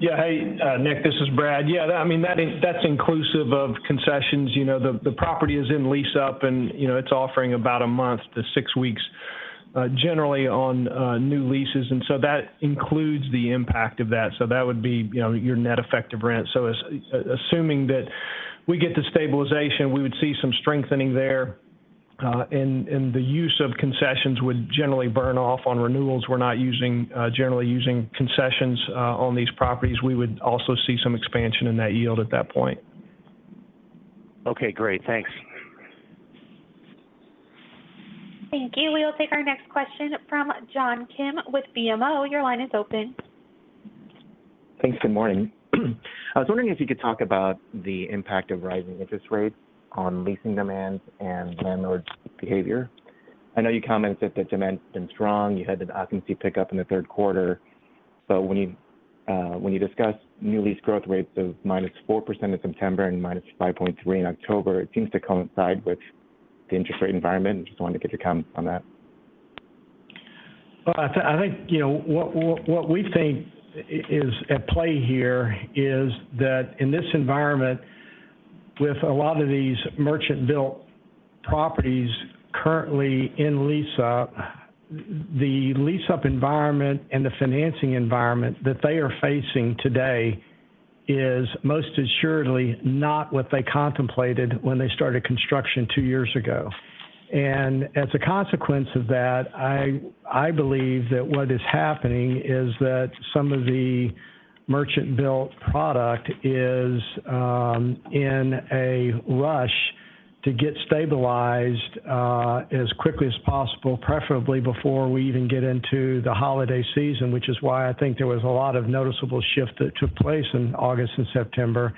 Yeah. Hey, Nick. This is Brad. Yeah. I mean, that's inclusive of concessions. The property is in lease-up, and it's offering about a month to six weeks generally on new leases. And so that includes the impact of that. So that would be your net effective rent. So assuming that we get the stabilization, we would see some strengthening there. And the use of concessions would generally burn off on renewals. We're not generally using concessions on these properties. We would also see some expansion in that yield at that point. Okay. Great. Thanks. Thank you. We will take our next question from John Kim with BMO. Your line is open. Thanks. Good morning. I was wondering if you could talk about the impact of rising interest rates on leasing demand and landlords' behavior. I know you commented that demand had been strong. You had an occupancy pickup in the third quarter. But when you discuss new lease growth rates of -4% in September and -5.3% in October, it seems to coincide with the interest rate environment. I just wanted to get your comments on that. Well, I think what we think is at play here is that in this environment, with a lot of these merchant-built properties currently in lease-up, the lease-up environment and the financing environment that they are facing today is most assuredly not what they contemplated when they started construction two years ago. As a consequence of that, I believe that what is happening is that some of the merchant-built product is in a rush to get stabilized as quickly as possible, preferably before we even get into the holiday season, which is why I think there was a lot of noticeable shift that took place in August and September.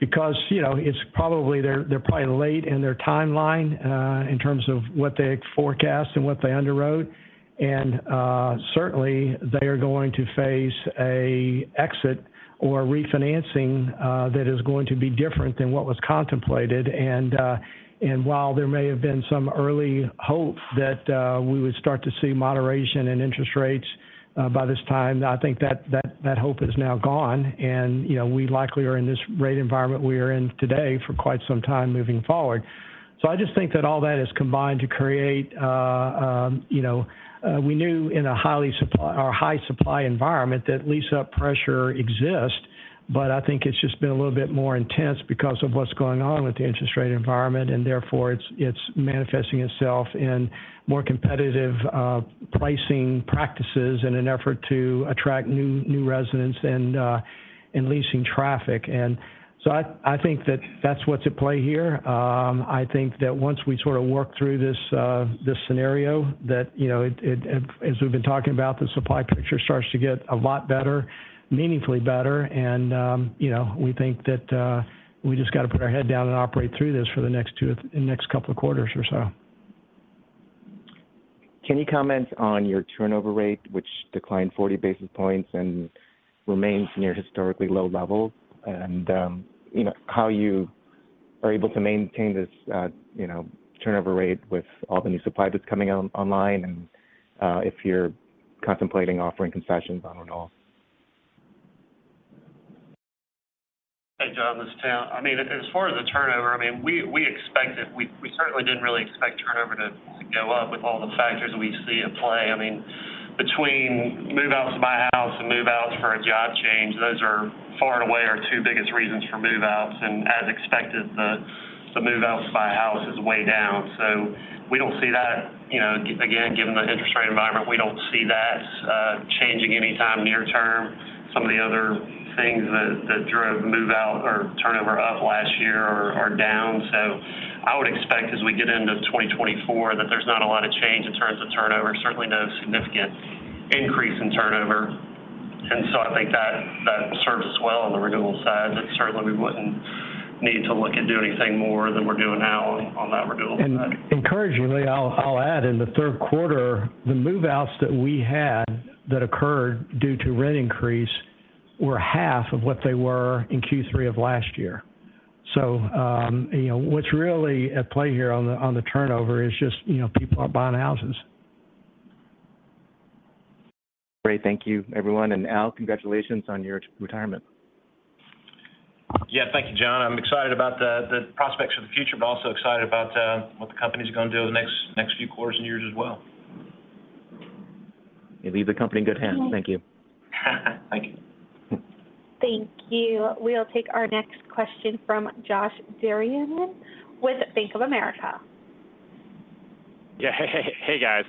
Because they're probably late in their timeline in terms of what they forecast and what they underwrote. Certainly, they are going to face an exit or a refinancing that is going to be different than what was contemplated. And while there may have been some early hope that we would start to see moderation in interest rates by this time, I think that hope is now gone. And we likely are in this rate environment we are in today for quite some time moving forward. So I just think that all that is combined to create we knew in a high supply environment that lease-up pressure exists, but I think it's just been a little bit more intense because of what's going on with the interest rate environment, and therefore, it's manifesting itself in more competitive pricing practices in an effort to attract new residents and leasing traffic. And so I think that that's what's at play here. I think that once we sort of work through this scenario, that as we've been talking about, the supply picture starts to get a lot better, meaningfully better. We think that we just got to put our head down and operate through this for the next couple of quarters or so. Can you comment on your turnover rate, which declined 40 basis points and remains near historically low levels, and how you are able to maintain this turnover rate with all the new supply that's coming online and if you're contemplating offering concessions on renewals? Hey, John. This is Tim. I mean, as far as the turnover, I mean, we expect it. We certainly didn't really expect turnover to go up with all the factors we see at play. I mean, between move-outs to buy house and move-outs for a job change, those are far and away our two biggest reasons for move-outs. And as expected, the move-outs to buy house is way down. So we don't see that. Again, given the interest rate environment, we don't see that changing anytime near term. Some of the other things that drove move-out or turnover up last year are down. So I would expect as we get into 2024 that there's not a lot of change in terms of turnover, certainly no significant increase in turnover. And so I think that serves as well on the renewal side. Certainly, we wouldn't need to look at doing anything more than we're doing now on that renewal side. Encouragingly, I'll add, in the third quarter, the move-outs that we had that occurred due to rent increase were half of what they were in Q3 of last year. So what's really at play here on the turnover is just people aren't buying houses. Great. Thank you, everyone. Al, congratulations on your retirement. Yeah. Thank you, John. I'm excited about the prospects for the future, but also excited about what the company's going to do over the next few quarters and years as well. You leave the company in good hands. Thank you. Thank you. Thank you. We'll take our next question from Josh Dennerlein with Bank of America. Yeah. Hey, guys.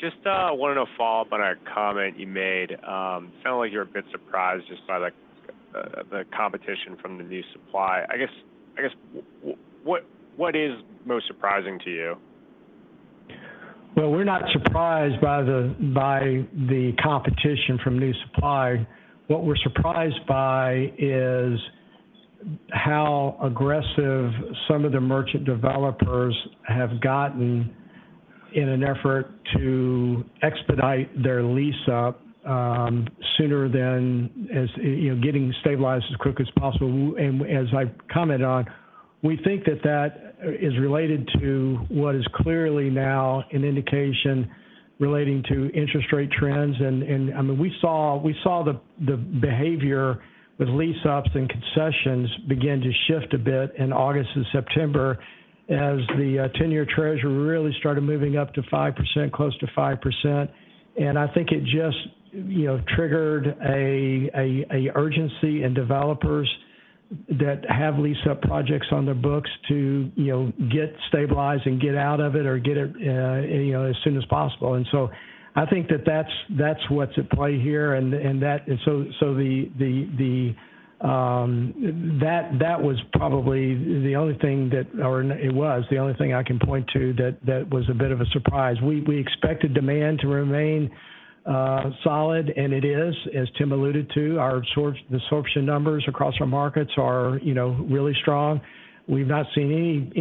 Just wanted to follow up on a comment you made. It sounded like you were a bit surprised just by the competition from the new supply. I guess, what is most surprising to you? Well, we're not surprised by the competition from new supply. What we're surprised by is how aggressive some of the merchant developers have gotten in an effort to expedite their lease-up sooner than getting stabilized as quick as possible. And as I've commented on, we think that that is related to what is clearly now an indication relating to interest rate trends. And I mean, we saw the behavior with lease-ups and concessions begin to shift a bit in August and September as the 10-Year Treasury really started moving up to 5%, close to 5%. And I think it just triggered an urgency in developers that have lease-up projects on their books to get stabilized and get out of it or get it as soon as possible. And so I think that that's what's at play here. And so that was probably the only thing I can point to that was a bit of a surprise. We expected demand to remain solid, and it is, as Tim alluded to. The absorption numbers across our markets are really strong. We've not seen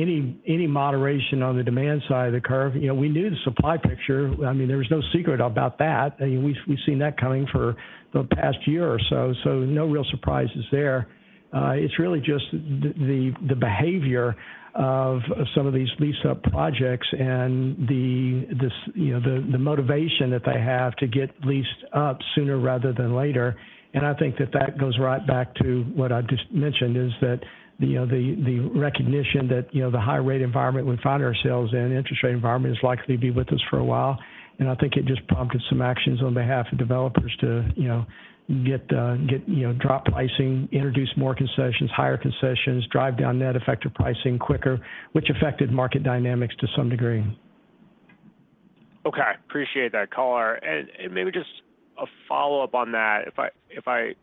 any moderation on the demand side of the curve. We knew the supply picture. I mean, there was no secret about that. We've seen that coming for the past year or so. So no real surprises there. It's really just the behavior of some of these lease-up projects and the motivation that they have to get leased up sooner rather than later. And I think that goes right back to what I just mentioned, is that the recognition that the high-rate environment we find ourselves in, interest rate environment, is likely to be with us for a while. I think it just prompted some actions on behalf of developers to drop pricing, introduce more concessions, higher concessions, drive down net effective pricing quicker, which affected market dynamics to some degree. Okay. Appreciate that color. And maybe just a follow-up on that. If I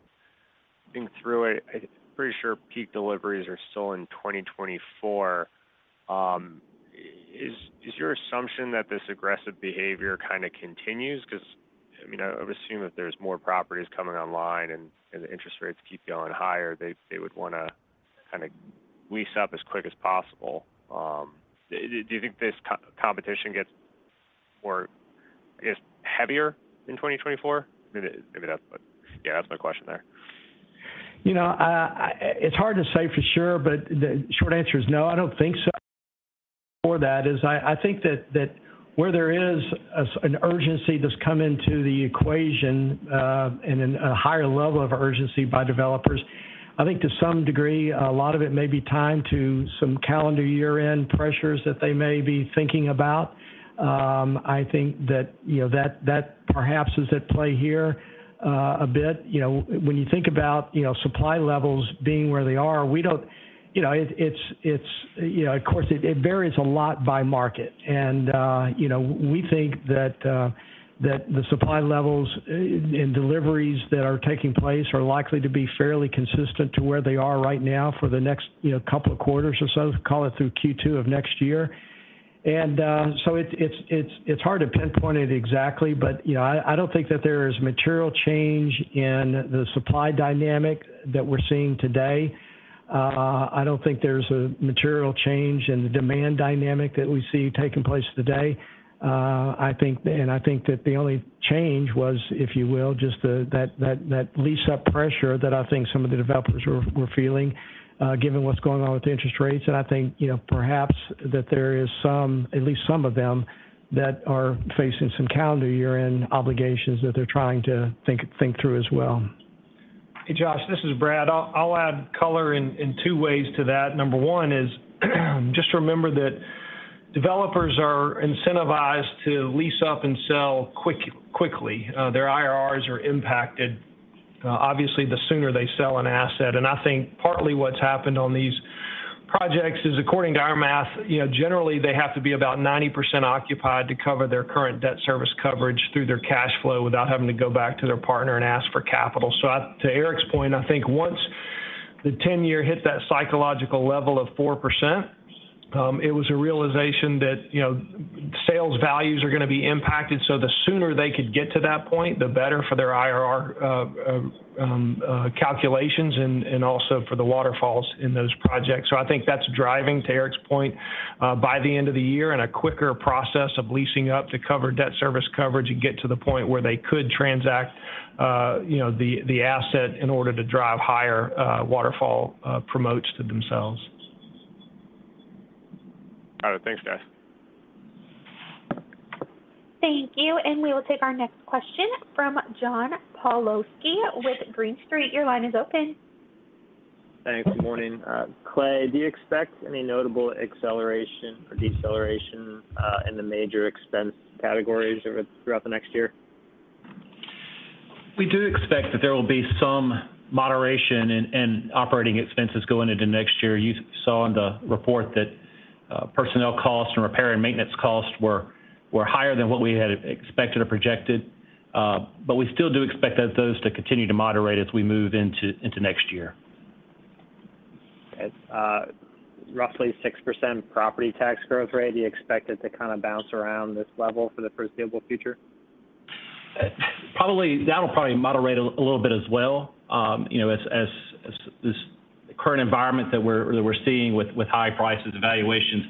think through it, I'm pretty sure peak deliveries are still in 2024. Is your assumption that this aggressive behavior kind of continues? Because I mean, I would assume if there's more properties coming online and the interest rates keep going higher, they would want to kind of lease up as quick as possible. Do you think this competition gets, I guess, heavier in 2024? Maybe that's my question there. It's hard to say for sure, but the short answer is no. I don't think so. For that is I think that where there is an urgency that's come into the equation and a higher level of urgency by developers, I think to some degree, a lot of it may be time to some calendar year-end pressures that they may be thinking about. I think that perhaps is at play here a bit. When you think about supply levels being where they are, we don't. It's, of course, it varies a lot by market. And we think that the supply levels and deliveries that are taking place are likely to be fairly consistent to where they are right now for the next couple of quarters or so, call it through Q2 of next year. And so it's hard to pinpoint it exactly, but I don't think that there is material change in the supply dynamic that we're seeing today. I don't think there's a material change in the demand dynamic that we see taking place today. And I think that the only change was, if you will, just that lease-up pressure that I think some of the developers were feeling given what's going on with the interest rates. And I think perhaps that there is some, at least some of them, that are facing some calendar year-end obligations that they're trying to think through as well. Hey, Josh. This is Brad. I'll add color in two ways to that. Number one is just remember that developers are incentivized to lease up and sell quickly. Their IRRs are impacted, obviously, the sooner they sell an asset. I think partly what's happened on these projects is, according to our math, generally, they have to be about 90% occupied to cover their current debt service coverage through their cash flow without having to go back to their partner and ask for capital. To Eric's point, I think once the 10-year hit that psychological level of 4%, it was a realization that sales values are going to be impacted. The sooner they could get to that point, the better for their IRR calculations and also for the waterfalls in those projects. I think that's driving, to Eric's point, by the end of the year and a quicker process of leasing up to cover debt service coverage and get to the point where they could transact the asset in order to drive higher waterfall promotes to themselves. Got it. Thanks, guys. Thank you. We will take our next question from John Pawlowski with Green Street. Your line is open. Thanks. Good morning. Clay, do you expect any notable acceleration or deceleration in the major expense categories throughout the next year? We do expect that there will be some moderation in operating expenses going into next year. You saw in the report that personnel costs and repair and maintenance costs were higher than what we had expected or projected. But we still do expect those to continue to moderate as we move into next year. Roughly 6% property tax growth rate. Do you expect it to kind of bounce around this level for the foreseeable future? That'll probably moderate a little bit as well. As this current environment that we're seeing with high prices, evaluations,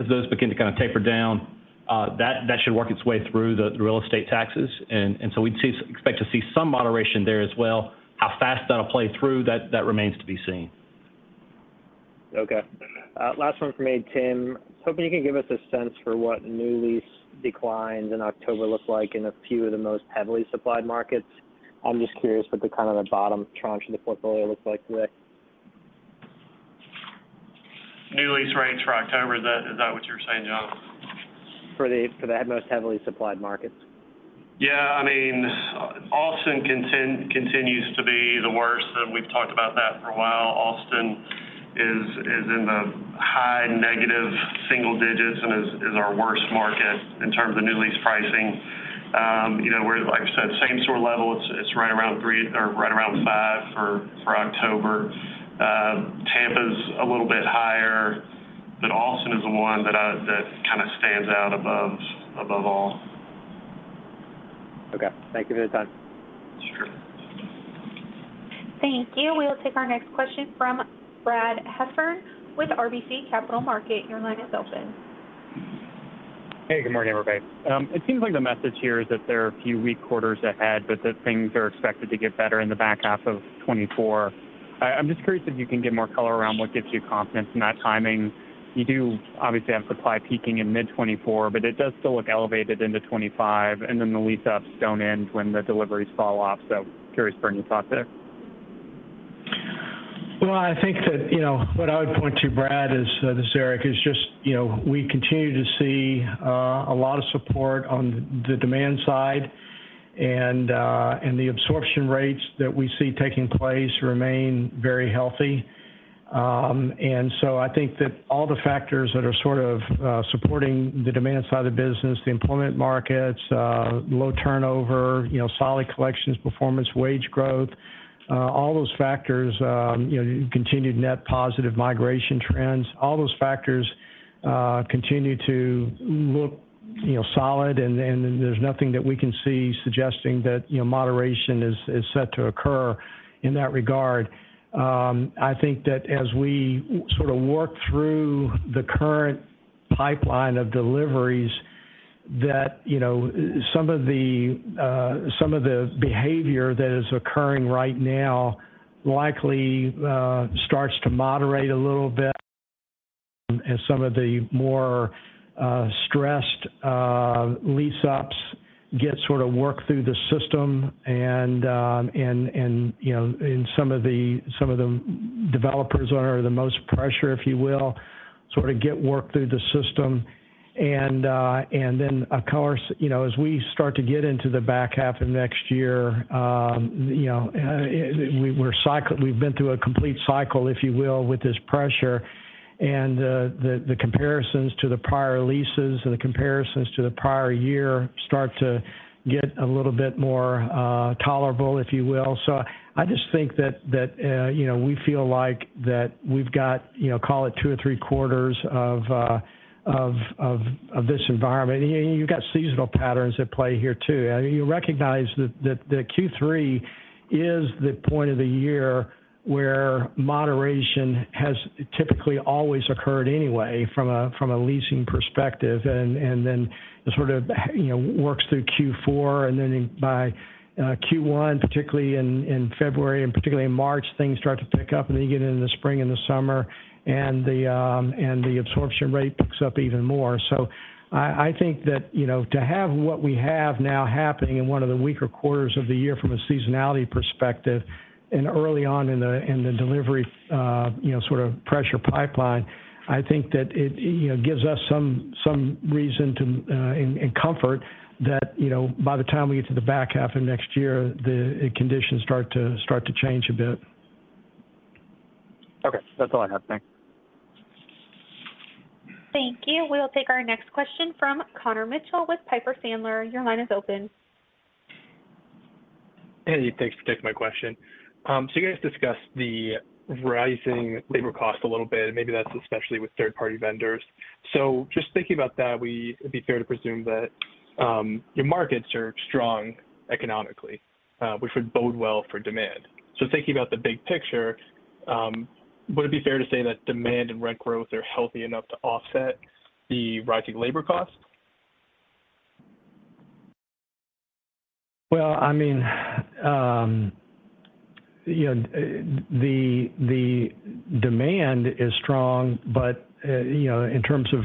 as those begin to kind of taper down, that should work its way through the real estate taxes. And so we'd expect to see some moderation there as well. How fast that'll play through, that remains to be seen. Okay. Last one from me, Tim. Hoping you can give us a sense for what new lease declines in October look like in a few of the most heavily supplied markets. I'm just curious what the kind of the bottom tranche of the portfolio looks like today. New lease rates for October, is that what you're saying, John? For the most heavily supplied markets? Yeah. I mean, Austin continues to be the worst. We've talked about that for a while. Austin is in the high negative single digits and is our worst market in terms of new lease pricing. Like I said, same sort of level. It's right around three or right around five for October. Tampa's a little bit higher, but Austin is the one that kind of stands out above all. Okay. Thank you for your time. Sure. Thank you. We will take our next question from Brad Heffern with RBC Capital Markets. Your line is open. Hey. Good morning, everybody. It seems like the message here is that there are a few weak quarters ahead, but that things are expected to get better in the back half of 2024. I'm just curious if you can give more color around what gives you confidence in that timing. You do obviously have supply peaking in mid-2024, but it does still look elevated into 2025. And then the lease-ups don't end when the deliveries fall off. So curious for any thoughts there. Well, I think that what I would point to, Brad, as is Eric, is just we continue to see a lot of support on the demand side. The absorption rates that we see taking place remain very healthy. So I think that all the factors that are sort of supporting the demand side of the business, the employment markets, low turnover, solid collections, performance, wage growth, all those factors, continued net positive migration trends, all those factors continue to look solid. There's nothing that we can see suggesting that moderation is set to occur in that regard. I think that as we sort of work through the current pipeline of deliveries, that some of the behavior that is occurring right now likely starts to moderate a little bit as some of the more stressed lease-ups get sort of worked through the system. Some of the developers that are under the most pressure, if you will, sort of get worked through the system. Then, of course, as we start to get into the back half of next year, we've been through a complete cycle, if you will, with this pressure. The comparisons to the prior leases and the comparisons to the prior year start to get a little bit more tolerable, if you will. I just think that we feel like that we've got, call it, two or three quarters of this environment. You've got seasonal patterns at play here too. You recognize that Q3 is the point of the year where moderation has typically always occurred anyway from a leasing perspective. Then it sort of works through Q4. Then by Q1, particularly in February and particularly in March, things start to pick up. You get into the spring and the summer, and the absorption rate picks up even more. I think that to have what we have now happening in one of the weaker quarters of the year from a seasonality perspective and early on in the delivery sort of pressure pipeline, I think that it gives us some reason and comfort that by the time we get to the back half of next year, the conditions start to change a bit. Okay. That's all I have. Thanks. Thank you. We will take our next question from Connor Mitchell with Piper Sandler. Your line is open. Hey. Thanks for taking my question. So you guys discussed the rising labor cost a little bit. Maybe that's especially with third-party vendors. So just thinking about that, it'd be fair to presume that your markets are strong economically, which would bode well for demand. So thinking about the big picture, would it be fair to say that demand and rent growth are healthy enough to offset the rising labor cost? Well, I mean, the demand is strong, but in terms of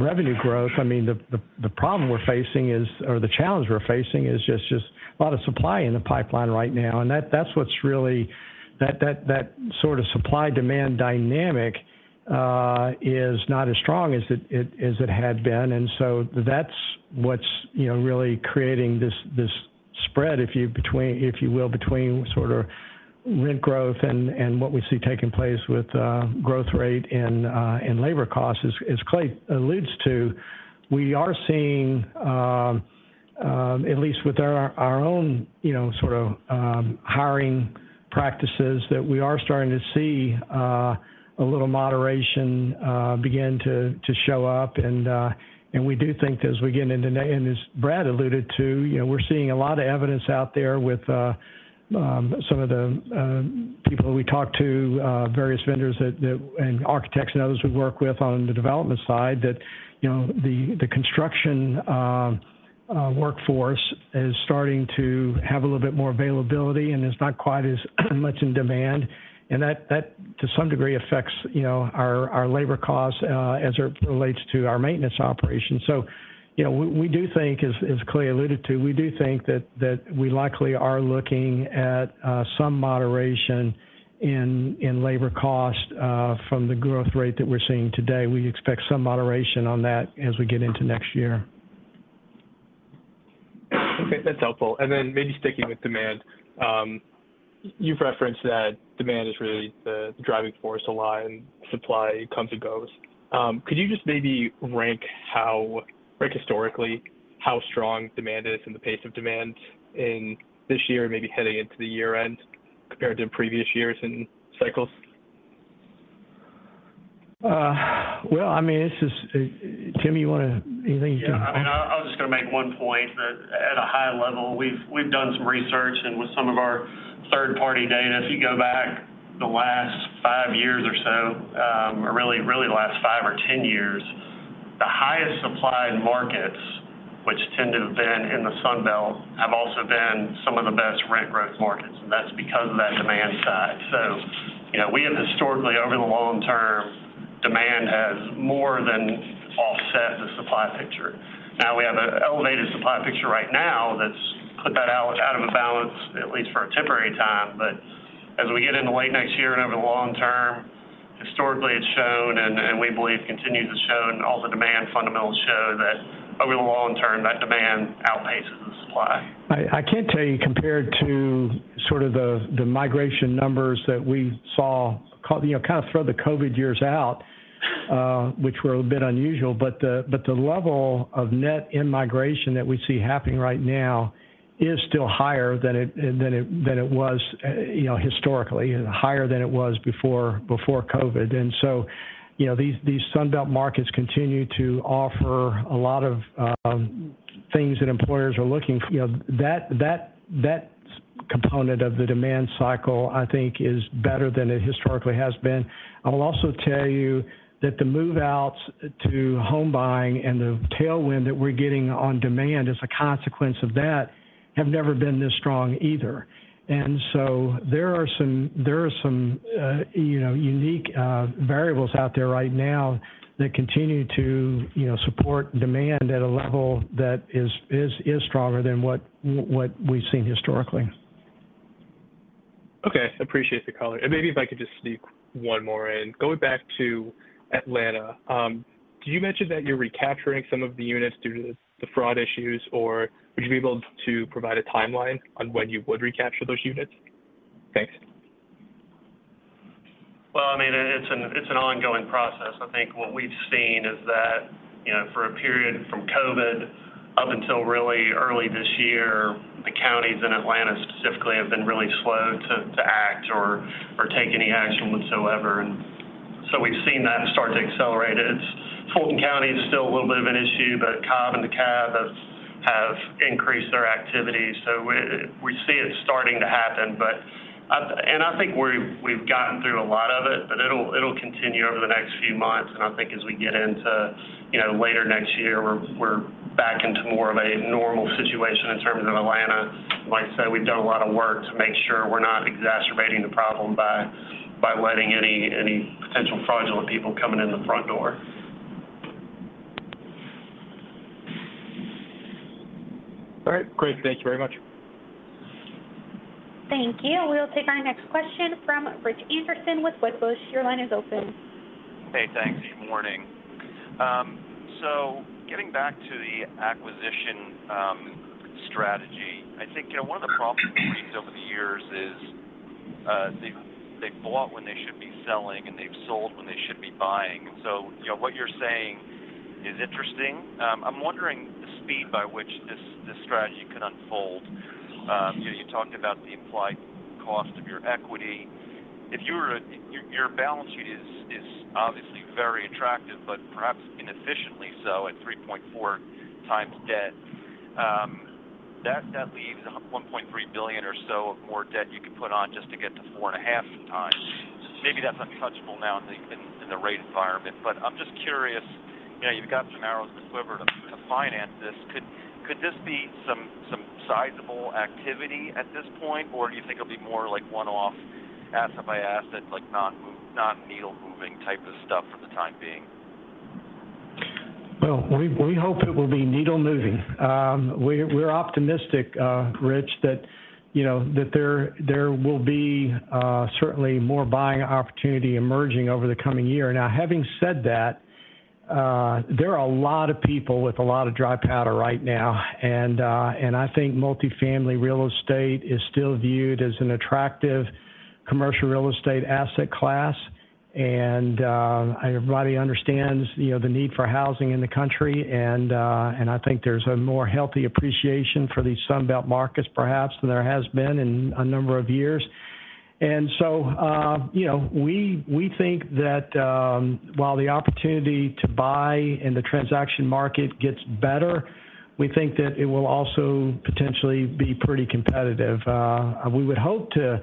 revenue growth, I mean, the problem we're facing is or the challenge we're facing is just a lot of supply in the pipeline right now. And that's what's really that sort of supply-demand dynamic is not as strong as it had been. And so that's what's really creating this spread, if you will, between sort of rent growth and what we see taking place with growth rate and labor costs, as Clay alludes to. We are seeing, at least with our own sort of hiring practices, that we are starting to see a little moderation begin to show up. We do think that as we get into and as Brad alluded to, we're seeing a lot of evidence out there with some of the people that we talk to, various vendors and architects and others we work with on the development side, that the construction workforce is starting to have a little bit more availability and is not quite as much in demand. That, to some degree, affects our labor costs as it relates to our maintenance operations. We do think, as Clay alluded to, we do think that we likely are looking at some moderation in labor costs from the growth rate that we're seeing today. We expect some moderation on that as we get into next year. Okay. That's helpful. And then maybe sticking with demand, you've referenced that demand is really the driving force a lot and supply comes and goes. Could you just maybe rank historically how strong demand is and the pace of demand in this year, maybe heading into the year-end, compared to previous years and cycles? Well, I mean, this is Tim, you want to anything you can? Yeah. I mean, I was just going to make one point that at a high level, we've done some research. And with some of our third-party data, if you go back the last five years or so, or really the last five or 10 years, the highest supply in markets, which tend to have been in the Sunbelt, have also been some of the best rent growth markets. And that's because of that demand side. So we have historically, over the long term, demand has more than offset the supply picture. Now, we have an elevated supply picture right now that's put that out of balance, at least for a temporary time. But as we get into late next year and over the long term, historically, it's shown, and we believe continues to show, and all the demand fundamentals show that over the long term, that demand outpaces the supply. I can't tell you compared to sort of the migration numbers that we saw kind of throw the COVID years out, which were a bit unusual. But the level of net immigration that we see happening right now is still higher than it was historically, higher than it was before COVID. And so these Sunbelt markets continue to offer a lot of things that employers are looking. That component of the demand cycle, I think, is better than it historically has been. I will also tell you that the move-outs to home buying and the tailwind that we're getting on demand as a consequence of that have never been this strong either. And so there are some unique variables out there right now that continue to support demand at a level that is stronger than what we've seen historically. Okay. Appreciate the color. And maybe if I could just sneak one more in. Going back to Atlanta, did you mention that you're recapturing some of the units due to the fraud issues, or would you be able to provide a timeline on when you would recapture those units? Thanks. Well, I mean, it's an ongoing process. I think what we've seen is that for a period from COVID up until really early this year, the counties in Atlanta specifically have been really slow to act or take any action whatsoever. And so we've seen that start to accelerate. Fulton County is still a little bit of an issue, but Cobb and DeKalb have increased their activity. So we see it starting to happen. And I think we've gotten through a lot of it, but it'll continue over the next few months. And I think as we get into later next year, we're back into more of a normal situation in terms of Atlanta. Like I said, we've done a lot of work to make sure we're not exacerbating the problem by letting any potential fraudulent people coming in the front door. All right. Great. Thank you very much. Thank you. We will take our next question from Rich Anderson with Wedbush. Your line is open. Hey. Thanks. Good morning. So getting back to the acquisition strategy, I think one of the problems we've faced over the years is they've bought when they should be selling, and they've sold when they should be buying. And so what you're saying is interesting. I'm wondering the speed by which this strategy could unfold. You talked about the implied cost of your equity. If you were a your balance sheet is obviously very attractive, but perhaps inefficiently so at 3.4x debt. That leaves $1.3 billion or so of more debt you could put on just to get to 4.5x. Maybe that's untouchable now in the rate environment. But I'm just curious. You've got some arrows and a quiver to finance this. Could this be some sizable activity at this point, or do you think it'll be more like one-off asset by asset, not needle-moving type of stuff for the time being? Well, we hope it will be needle-moving. We're optimistic, Rich, that there will be certainly more buying opportunity emerging over the coming year. Now, having said that, there are a lot of people with a lot of dry powder right now. And I think multifamily real estate is still viewed as an attractive commercial real estate asset class. And everybody understands the need for housing in the country. And I think there's a more healthy appreciation for these Sunbelt markets, perhaps, than there has been in a number of years. And so we think that while the opportunity to buy in the transaction market gets better, we think that it will also potentially be pretty competitive. We would hope to,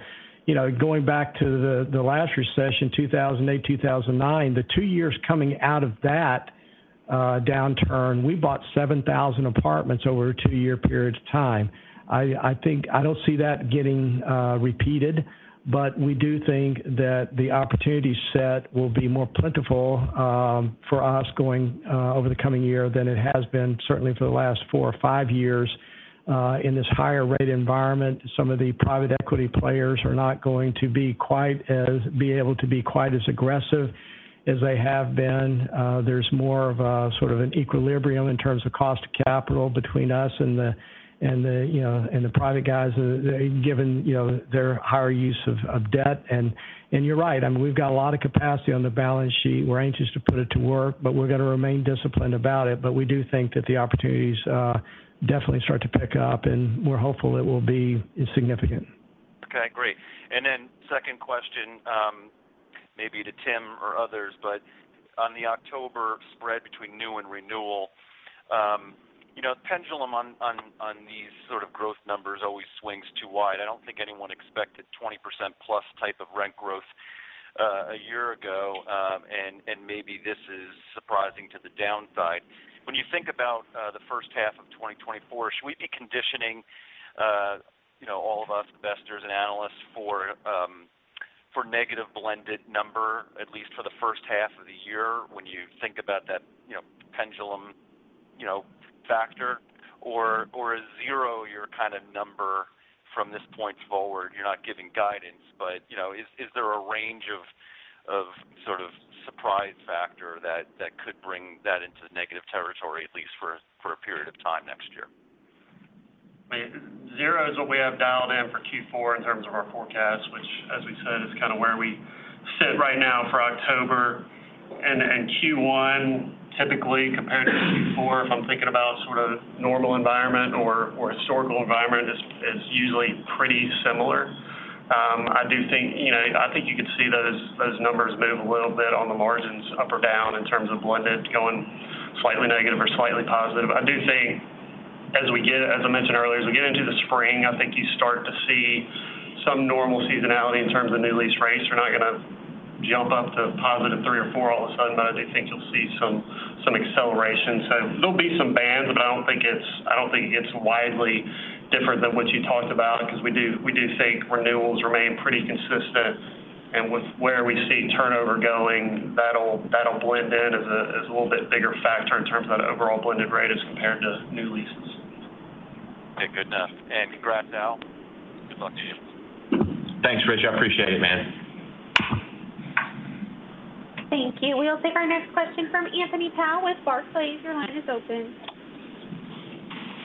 going back to the last recession, 2008, 2009, the two years coming out of that downturn, we bought 7,000 apartments over a two-year period of time. I don't see that getting repeated, but we do think that the opportunity set will be more plentiful for us going over the coming year than it has been, certainly for the last four or five years in this higher rate environment. Some of the private equity players are not going to be quite as able to be quite as aggressive as they have been. There's more of a sort of an equilibrium in terms of cost of capital between us and the private guys given their higher use of debt. And you're right. I mean, we've got a lot of capacity on the balance sheet. We're anxious to put it to work, but we're going to remain disciplined about it. But we do think that the opportunities definitely start to pick up, and we're hopeful it will be significant. Okay. Great. And then second question, maybe to Tim or others, but on the October spread between new and renewal, the pendulum on these sort of growth numbers always swings too wide. I don't think anyone expected 20%-plus type of rent growth a year ago. And maybe this is surprising to the downside. When you think about the first half of 2024, should we be conditioning all of us, investors and analysts, for negative-blended number, at least for the first half of the year when you think about that pendulum factor? Or is zero your kind of number from this point forward? You're not giving guidance. But is there a range of sort of surprise factor that could bring that into negative territory, at least for a period of time next year? I mean, zero is what we have dialed in for Q4 in terms of our forecast, which, as we said, is kind of where we sit right now for October. Q1, typically, compared to Q4, if I'm thinking about sort of normal environment or historical environment, is usually pretty similar. I do think you could see those numbers move a little bit on the margins, up or down, in terms of blended, going slightly negative or slightly positive. I do think as we get, as I mentioned earlier, as we get into the spring, I think you start to see some normal seasonality in terms of new lease rates. They're not going to jump up to positive 3 or 4 all of a sudden, but I do think you'll see some acceleration. So there'll be some bands, but I don't think it gets widely different than what you talked about because we do think renewals remain pretty consistent. And with where we see turnover going, that'll blend in as a little bit bigger factor in terms of that overall blended rate as compared to new leases. Okay. Good enough. Congrats, Al. Good luck to you. Thanks, Rich. I appreciate it, man. Thank you. We will take our next question from Anthony Powell with Barclays. Your line is open.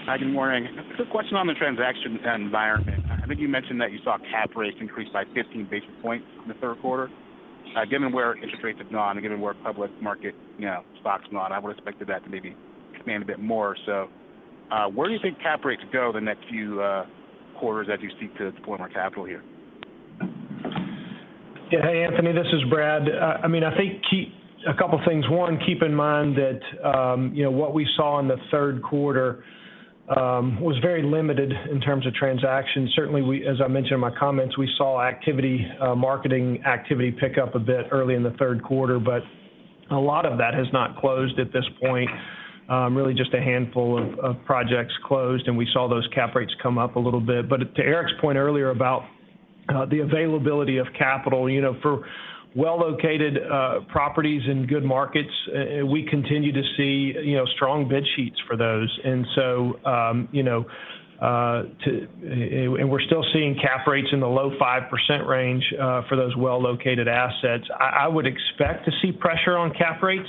Hi. Good morning. Quick question on the transaction environment. I think you mentioned that you saw cap rates increase by 15 basis points in the third quarter. Given where interest rates have gone and given where public market stocks have gone, I would expect that to maybe expand a bit more. So where do you think cap rates go the next few quarters as you seek to deploy more capital here? Yeah. Hey, Anthony. This is Brad. I mean, I think a couple of things. One, keep in mind that what we saw in the third quarter was very limited in terms of transactions. Certainly, as I mentioned in my comments, we saw marketing activity pick up a bit early in the third quarter, but a lot of that has not closed at this point. Really just a handful of projects closed, and we saw those cap rates come up a little bit. But to Eric's point earlier about the availability of capital, for well-located properties in good markets, we continue to see strong bid sheets for those. And so we're still seeing cap rates in the low 5% range for those well-located assets. I would expect to see pressure on cap rates,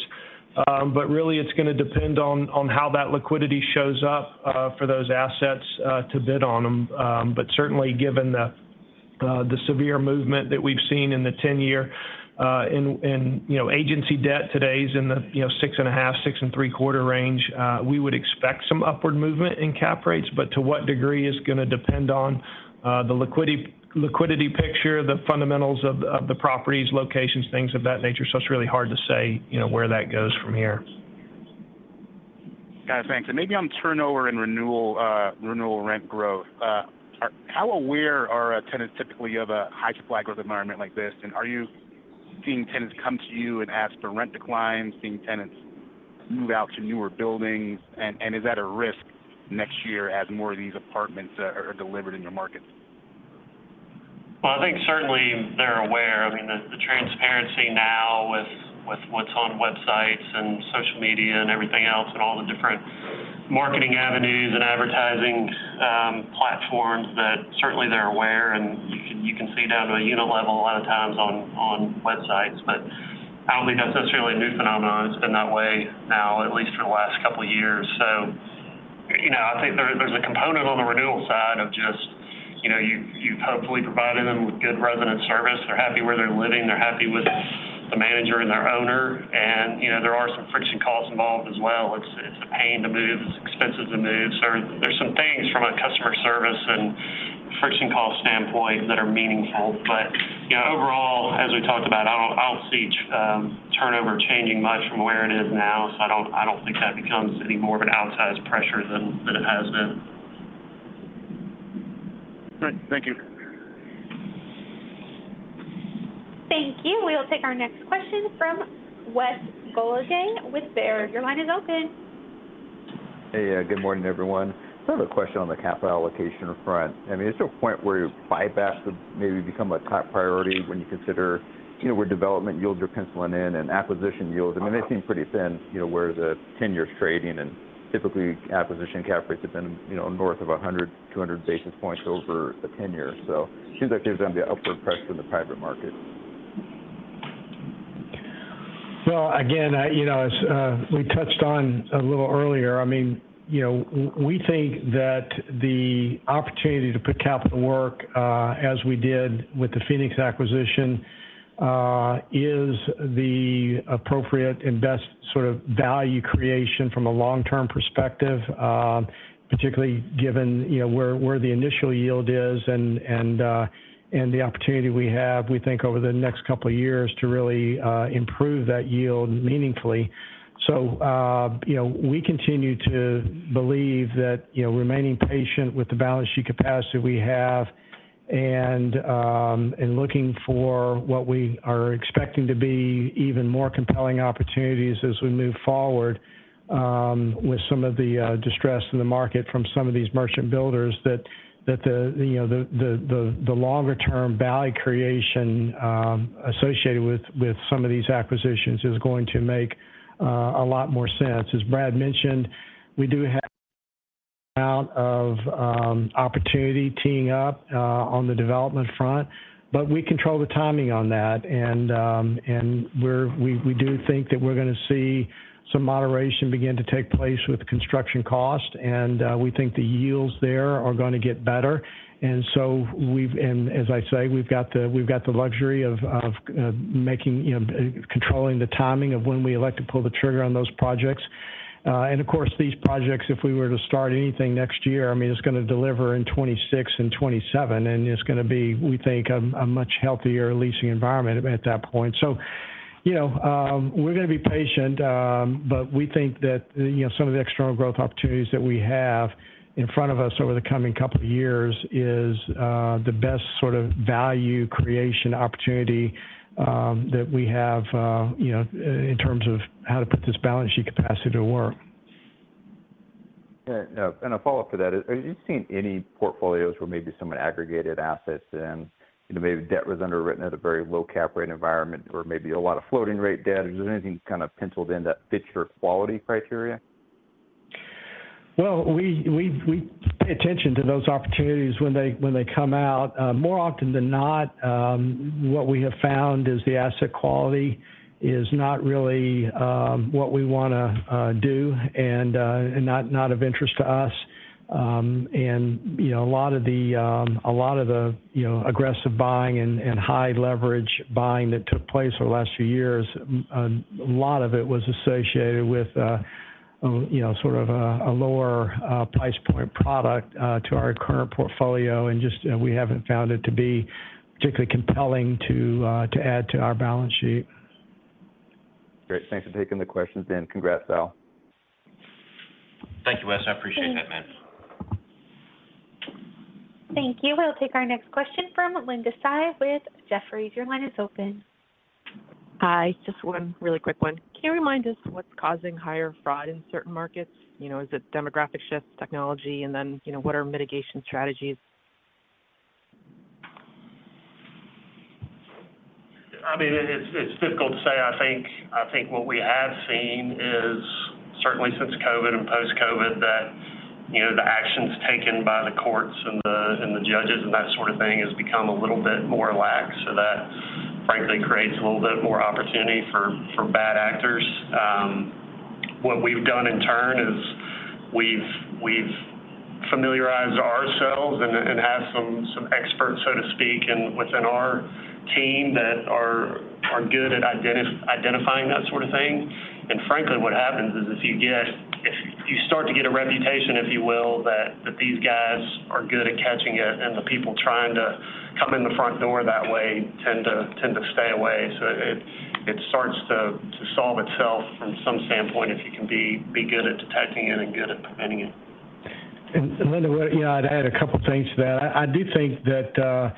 but really, it's going to depend on how that liquidity shows up for those assets to bid on them. But certainly, given the severe movement that we've seen in the 10-year and agency debt today is in the 6.5%-6.75% range, we would expect some upward movement in cap rates. But to what degree is going to depend on the liquidity picture, the fundamentals of the properties, locations, things of that nature. So it's really hard to say where that goes from here. Got it. Thanks. Maybe on turnover and renewal rent growth, how aware are tenants typically of a high supply growth environment like this? Are you seeing tenants come to you and ask for rent declines, seeing tenants move out to newer buildings? Is that a risk next year as more of these apartments are delivered in your markets? Well, I think certainly, they're aware. I mean, the transparency now with what's on websites and social media and everything else and all the different marketing avenues and advertising platforms, certainly, they're aware. And you can see down to a unit level a lot of times on websites. But I don't think that's necessarily a new phenomenon. It's been that way now, at least for the last couple of years. So I think there's a component on the renewal side of just you've hopefully provided them with good resident service. They're happy where they're living. They're happy with the manager and their owner. And there are some friction costs involved as well. It's a pain to move. It's expensive to move. So there's some things from a customer service and friction cost standpoint that are meaningful. Overall, as we talked about, I don't see turnover changing much from where it is now. I don't think that becomes any more of an outsized pressure than it has been. All right. Thank you. Thank you. We will take our next question from Wes Golladay with Baird. Your line is open. Hey. Good morning, everyone. I have a question on the capital allocation front. I mean, is there a point where you bypass the, maybe become a top priority when you consider where development yields are penciling in and acquisition yields? I mean, they seem pretty thin where the 10-year is trading. And typically, acquisition cap rates have been north of 100-200 basis points over a 10-Year. So it seems like there's going to be upward pressure in the private market. Well, again, as we touched on a little earlier, I mean, we think that the opportunity to put capital to work, as we did with the Phoenix acquisition, is the appropriate and best sort of value creation from a long-term perspective, particularly given where the initial yield is and the opportunity we have, we think, over the next couple of years to really improve that yield meaningfully. So we continue to believe that remaining patient with the balance sheet capacity we have and looking for what we are expecting to be even more compelling opportunities as we move forward with some of the distress in the market from some of these merchant builders, that the longer-term value creation associated with some of these acquisitions is going to make a lot more sense. As Brad mentioned, we do have an amount of opportunity teeing up on the development front, but we control the timing on that. We do think that we're going to see some moderation begin to take place with construction cost. We think the yields there are going to get better. As I say, we've got the luxury of controlling the timing of when we elect to pull the trigger on those projects. Of course, these projects, if we were to start anything next year, I mean, it's going to deliver in 2026 and 2027. It's going to be, we think, a much healthier leasing environment at that point. So we're going to be patient, but we think that some of the external growth opportunities that we have in front of us over the coming couple of years is the best sort of value creation opportunity that we have in terms of how to put this balance sheet capacity to work. Yeah. A follow-up to that, are you seeing any portfolios where maybe someone aggregated assets and maybe debt was underwritten at a very low cap rate environment or maybe a lot of floating rate debt? Is there anything kind of penciled in that fit your quality criteria? Well, we pay attention to those opportunities when they come out. More often than not, what we have found is the asset quality is not really what we want to do and not of interest to us. And a lot of the aggressive buying and high-leverage buying that took place over the last few years, a lot of it was associated with sort of a lower price point product to our current portfolio. And we haven't found it to be particularly compelling to add to our balance sheet. Great. Thanks for taking the questions, Ben. Congrats, Al. Thank you, Wes. I appreciate that, man. Thank you. We'll take our next question from Linda Tsai with Jefferies. Your line is open. Hi. Just one really quick one. Can you remind us what's causing higher fraud in certain markets? Is it demographic shifts, technology, and then what are mitigation strategies? I mean, it's difficult to say. I think what we have seen is, certainly since COVID and post-COVID, that the actions taken by the courts and the judges and that sort of thing has become a little bit more lax. So that, frankly, creates a little bit more opportunity for bad actors. What we've done in turn is we've familiarized ourselves and have some experts, so to speak, within our team that are good at identifying that sort of thing. And frankly, what happens is if you start to get a reputation, if you will, that these guys are good at catching it and the people trying to come in the front door that way tend to stay away. So it starts to solve itself from some standpoint if you can be good at detecting it and good at preventing it. And Linda, I had a couple of things to that.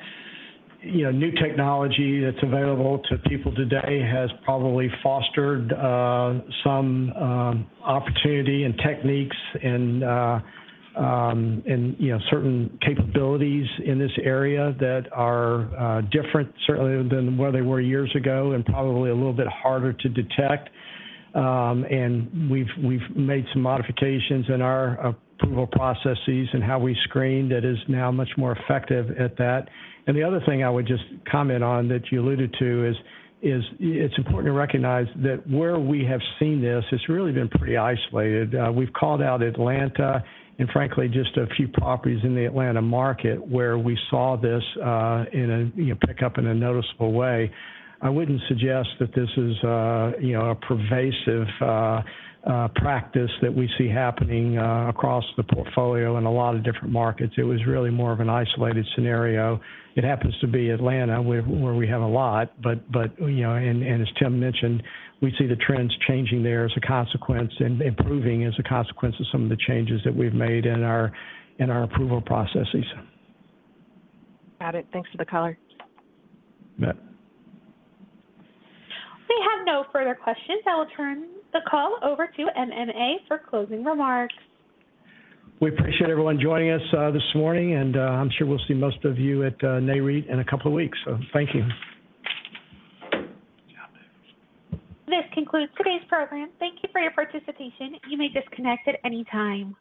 I do think that new technology that's available to people today has probably fostered some opportunity and techniques and certain capabilities in this area that are different, certainly, than where they were years ago and probably a little bit harder to detect. And we've made some modifications in our approval processes and how we screen that is now much more effective at that. And the other thing I would just comment on that you alluded to is it's important to recognize that where we have seen this, it's really been pretty isolated. We've called out Atlanta and, frankly, just a few properties in the Atlanta market where we saw this pick up in a noticeable way. I wouldn't suggest that this is a pervasive practice that we see happening across the portfolio in a lot of different markets. It was really more of an isolated scenario. It happens to be Atlanta where we have a lot. But as Tim mentioned, we see the trends changing there as a consequence and improving as a consequence of some of the changes that we've made in our approval processes. Got it. Thanks for the color. We have no further questions. I will turn the call over to MAA for closing remarks. We appreciate everyone joining us this morning, and I'm sure we'll see most of you at NAREIT in a couple of weeks. So thank you. This concludes today's program. Thank you for your participation. You may disconnect at any time.